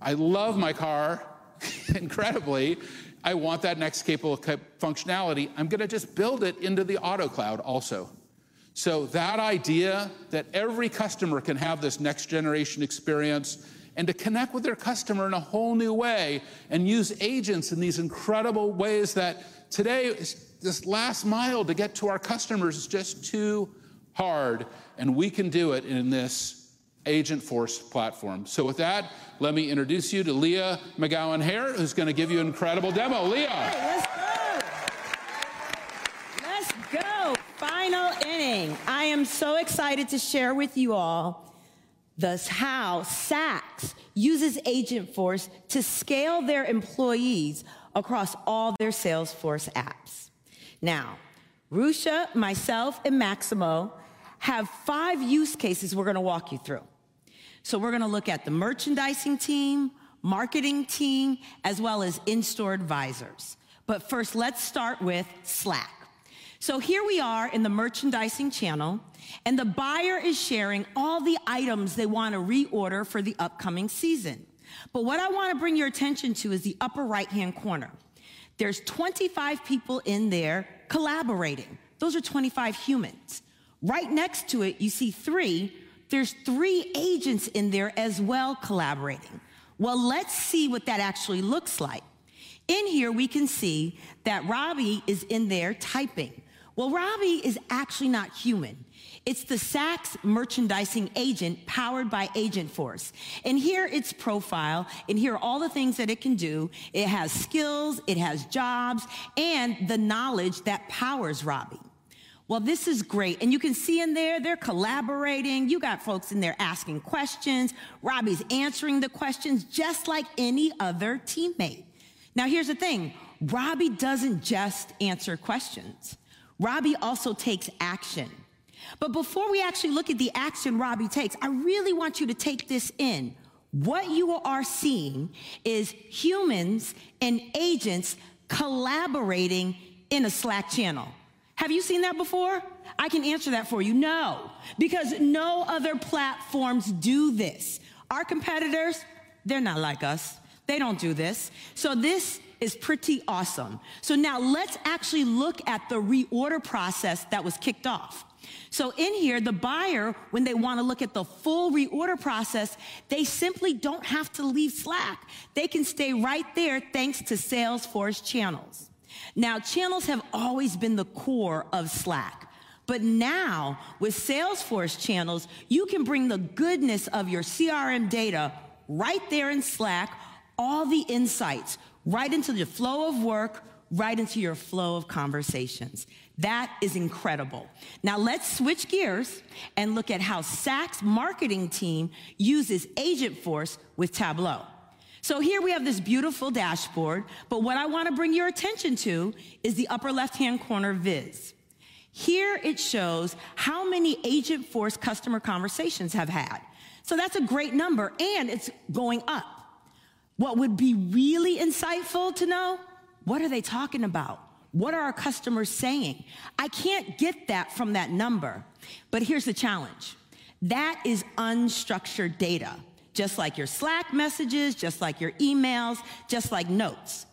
I love my car incredibly. I want that next capable car functionality. I'm gonna just build it into the Automotive Cloud also. So that idea that every customer can have this next-generation experience and to connect with their customer in a whole new way and use agents in these incredible ways that today is this last mile to get to our customers is just too hard, and we can do it in this Agentforce platform. So with that, let me introduce you to Leah McGowen-Hare, who's gonna give you an incredible demo. Leah! Final inning! I am so excited to share with you all just how Saks uses Agentforce to scale their employees across all their Salesforce apps. Now, Rucha, myself, and Maximo have five use cases we're gonna walk you through. So we're gonna look at the merchandising team, marketing team, as well as in-store advisors. But first, let's start with Slack. So here we are in the merchandising channel, and the buyer is sharing all the items they wanna reorder for the upcoming season. But what I wanna bring your attention to is the upper right-hand corner. There's 25 people in there collaborating. Those are 25 humans. Right next to it, you see three. There's three agents in there as well, collaborating. Well, let's see what that actually looks like. In here, we can see that Robbie is in there typing. Well, Robbie is actually not human. It's the Saks merchandising agent, powered by Agentforce, and here, its profile, and here are all the things that it can do. It has skills, it has jobs, and the knowledge that powers Robbie. Well, this is great, and you can see in there, they're collaborating. You got folks in there asking questions. Robbie's answering the questions just like any other teammate. Now, here's the thing: Robbie doesn't just answer questions. Robbie also takes action. But before we actually look at the action Robbie takes, I really want you to take this in. What you are seeing is humans and agents collaborating in a Slack channel. Have you seen that before? I can answer that for you. No, because no other platforms do this. Our competitors, they're not like us. They don't do this. So this is pretty awesome. So now let's actually look at the reorder process that was kicked off. So in here, the buyer, when they wanna look at the full reorder process, they simply don't have to leave Slack. They can stay right there, thanks to Salesforce Channels. Now, channels have always been the core of Slack, but now, with Salesforce Channels, you can bring the goodness of your CRM data right there in Slack, all the insights, right into the flow of work, right into your flow of conversations. That is incredible. Now, let's switch gears and look at how Saks' marketing team uses Agentforce with Tableau. So here we have this beautiful dashboard, but what I wanna bring your attention to is the upper left-hand corner viz. Here, it shows how many Agentforce customer conversations have had. So that's a great number, and it's going up. What would be really insightful to know: what are they talking about? What are our customers saying? I can't get that from that number. But here's the challenge: That is unstructured data, just like your Slack messages, just like your emails, just like notes.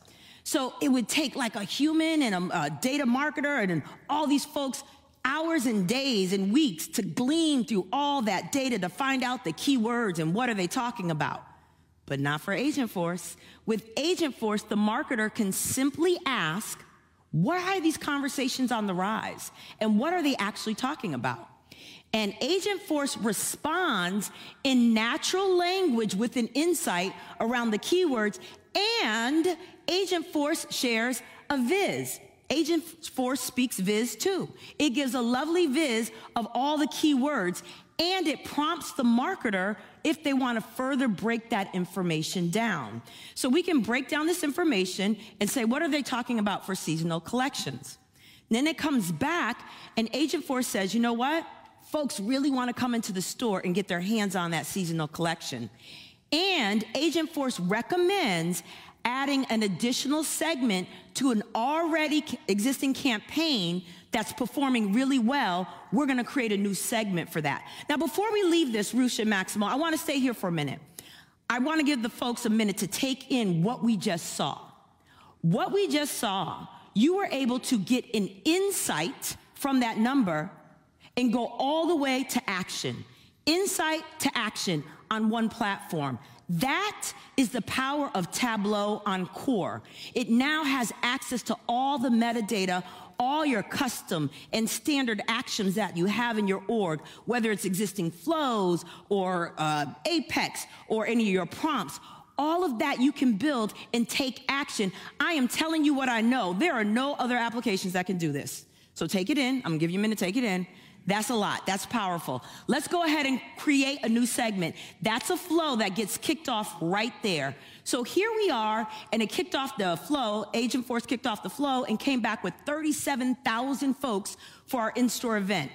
So it would take, like, a human and a data marketer and all these folks, hours and days, and weeks to glean through all that data to find out the keywords and what are they talking about. But not for Agentforce. With Agentforce, the marketer can simply ask, "Why are these conversations on the rise, and what are they actually talking about?" And Agentforce responds in natural language with an insight around the keywords, and Agentforce shares a viz. Agentforce speaks viz, too. It gives a lovely viz of all the keywords, and it prompts the marketer if they wanna further break that information down. We can break down this information and say: "What are they talking about for seasonal collections?" Then it comes back, and Agentforce says, "You know what? Folks really wanna come into the store and get their hands on that seasonal collection." And Agentforce recommends adding an additional segment to an already existing campaign that's performing really well. We're gonna create a new segment for that. Now, before we leave this, Rucha and Maximo, I wanna stay here for a minute. I wanna give the folks a minute to take in what we just saw. What we just saw, you were able to get an insight from that number and go all the way to action, insight to action on one platform. That is the power of Tableau on Core. It now has access to all the metadata, all your custom and standard actions that you have in your org, whether it's existing flows or, Apex or any of your prompts. All of that you can build and take action. I am telling you what I know. There are no other applications that can do this. So take it in. I'm gonna give you a minute to take it in. That's a lot. That's powerful. Let's go ahead and create a new segment. That's a flow that gets kicked off right there. So here we are, and it kicked off the flow. Agentforce kicked off the flow and came back with thirty-seven thousand folks for our in-store event.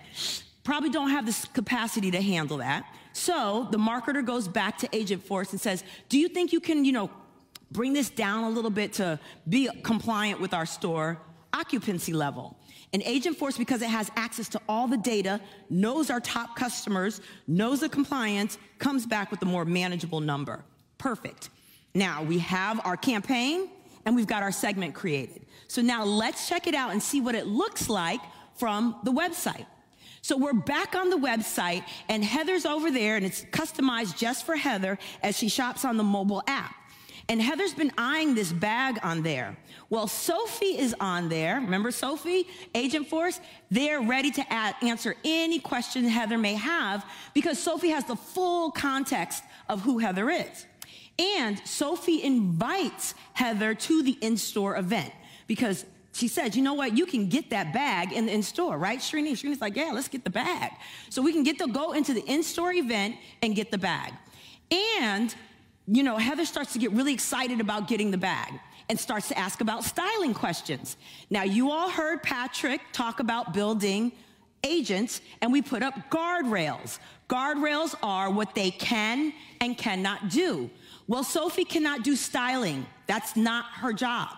Probably don't have the capacity to handle that, so the marketer goes back to Agentforce and says, "Do you think you can, you know, bring this down a little bit to be compliant with our store occupancy level?" And Agentforce, because it has access to all the data, knows our top customers, knows the compliance, comes back with a more manageable number. Perfect. Now, we have our campaign, and we've got our segment created. So now let's check it out and see what it looks like from the website. So we're back on the website, and Heather's over there, and it's customized just for Heather as she shops on the mobile app... And Heather's been eyeing this bag on there. Well, Sophie is on there. Remember Sophie, Agentforce? They're ready to answer any question Heather may have, because Sophie has the full context of who Heather is. Sophie invites Heather to the in-store event, because she says, "You know what? You can get that bag in the in-store, right, Srini?" Srini's like, "Yeah, let's get the bag." We can get to go into the in-store event and get the bag. You know, Heather starts to get really excited about getting the bag and starts to ask about styling questions. Now, you all heard Patrick talk about building agents, and we put up guardrails. Guardrails are what they can and cannot do. Sophie cannot do styling. That's not her job.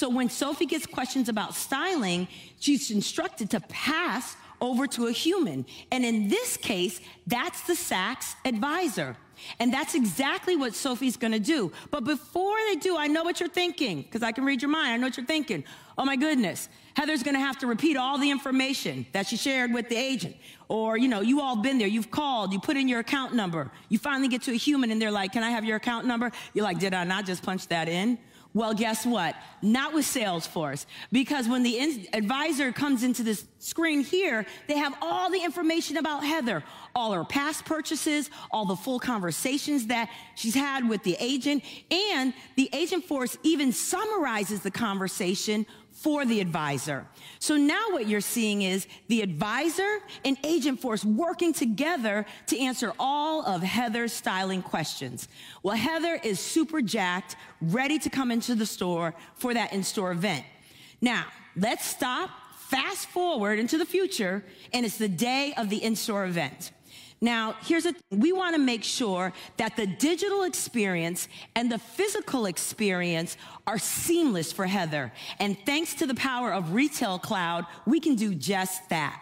When Sophie gets questions about styling, she's instructed to pass over to a human, and in this case, that's the Saks advisor, and that's exactly what Sophie's gonna do. Before they do, I know what you're thinking, 'cause I can read your mind. I know what you're thinking: "Oh, my goodness, Heather's gonna have to repeat all the information that she shared with the agent." Or, you know, you all been there. You've called, you put in your account number. You finally get to a human, and they're like, "Can I have your account number?" You're like, "Did I not just punch that in?" Well, guess what? Not with Salesforce, because when the live advisor comes into this screen here, they have all the information about Heather, all her past purchases, all the full conversations that she's had with the agent, and the Agentforce even summarizes the conversation for the advisor. So now what you're seeing is the advisor and Agentforce working together to answer all of Heather's styling questions. Well, Heather is super jacked, ready to come into the store for that in-store event. Now, let's stop, fast-forward into the future, and it's the day of the in-store event. Now, we wanna make sure that the digital experience and the physical experience are seamless for Heather, and thanks to the power of Retail Cloud, we can do just that.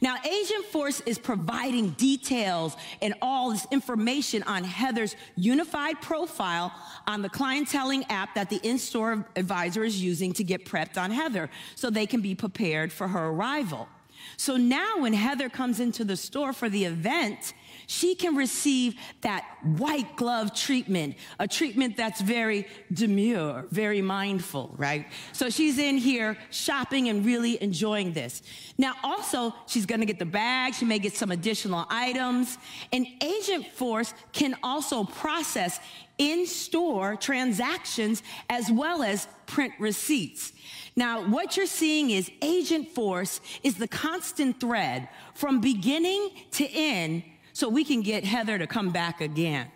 Now, Agentforce is providing details and all this information on Heather's unified profile on the clienteling app that the in-store advisor is using to get prepped on Heather, so they can be prepared for her arrival. So now, when Heather comes into the store for the event, she can receive that white-glove treatment, a treatment that's very demure, very mindful, right? So she's in here shopping and really enjoying this. Now, also, she's gonna get the bag. She may get some additional items, and Agentforce can also process in-store transactions as well as print receipts. Now, what you're seeing is Agentforce is the constant thread from beginning to end, so we can get Heather to come back again.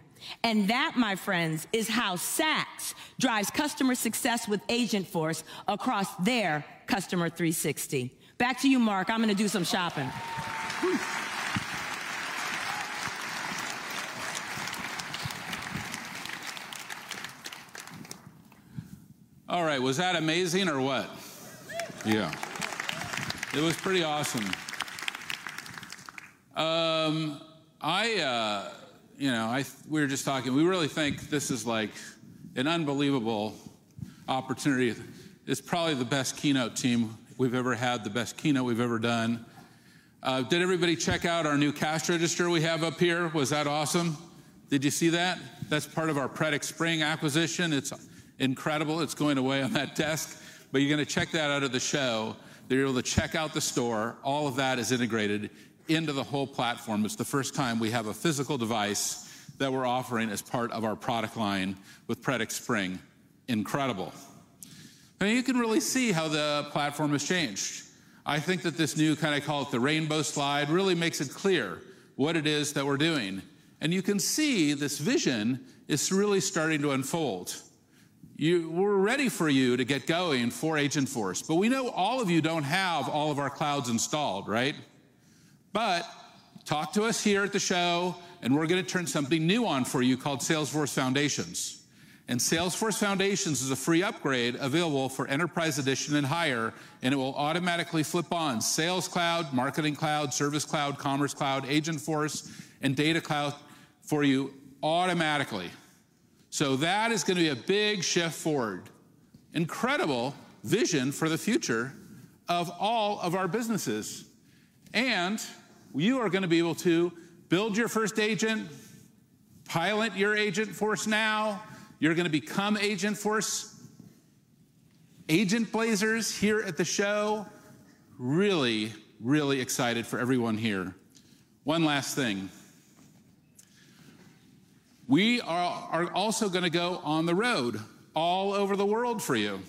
And that, my friends, is how Saks drives customer success with Agentforce across their Customer 360. Back to you, Mark. I'm gonna do some shopping. All right. Was that amazing or what? Yeah, it was pretty awesome. You know, we were just talking. We really think this is, like, an unbelievable opportunity. It's probably the best keynote, team, we've ever had, the best keynote we've ever done. Did everybody check out our new cash register we have up here? Was that awesome? Did you see that? That's part of our PredictSpring acquisition. It's incredible. It's going away on that desk, but you're gonna check that out of the show. You're able to check out the store. All of that is integrated into the whole platform. It's the first time we have a physical device that we're offering as part of our product line with PredictSpring. Incredible. Now, you can really see how the platform has changed. I think that this new, kinda call it the rainbow slide, really makes it clear what it is that we're doing. And you can see this vision is really starting to unfold. We're ready for you to get going for Agentforce, but we know all of you don't have all of our clouds installed, right? But talk to us here at the show, and we're gonna turn something new on for you, called Salesforce Foundations. And Salesforce Foundations is a free upgrade available for Enterprise Edition and higher, and it will automatically flip on Sales Cloud, Marketing Cloud, Service Cloud, Commerce Cloud, Agentforce, and Data Cloud for you automatically. So that is gonna be a big shift forward. Incredible vision for the future of all of our businesses, and you are gonna be able to build your first agent, pilot your Agentforce now. You're gonna become Agentforce Agentblazerss here at the show. Really, really excited for everyone here. One last thing. We are also gonna go on the road, all over the world for you.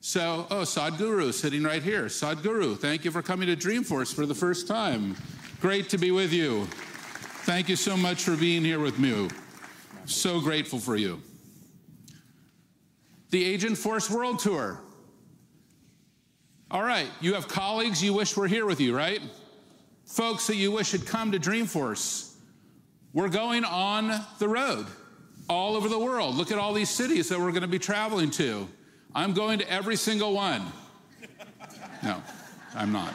So, oh, Sadhguru sitting right here. Sadhguru, thank you for coming to Dreamforce for the first time. Great to be with you. Thank you so much for being here with me. So grateful for you. The Agentforce World Tour. All right, you have colleagues you wish were here with you, right? Folks that you wish had come to Dreamforce. We're going on the road, all over the world. Look at all these cities that we're gonna be traveling to. I'm going to every single one. No, I'm not.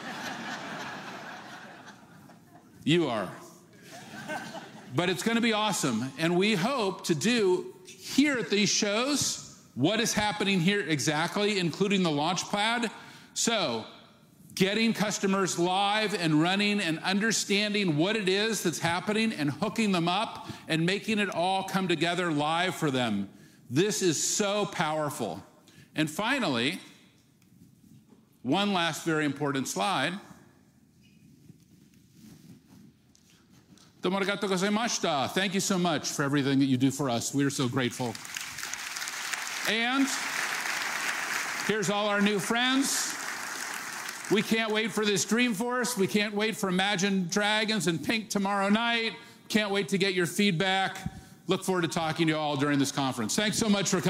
You are. But it's gonna be awesome, and we hope to do, here at these shows, what is happening here exactly, including the Launchpad, so getting customers live and running and understanding what it is that's happening and hooking them up and making it all come together live for them. This is so powerful. And finally, one last very important slide. Domo arigatou gozaimasu. Thank you so much for everything that you do for us. We are so grateful. And here's all our new friends. We can't wait for this Dreamforce. We can't wait for Imagine Dragons and P!nk tomorrow night. Can't wait to get your feedback. Look forward to talking to you all during this conference. Thanks so much for coming.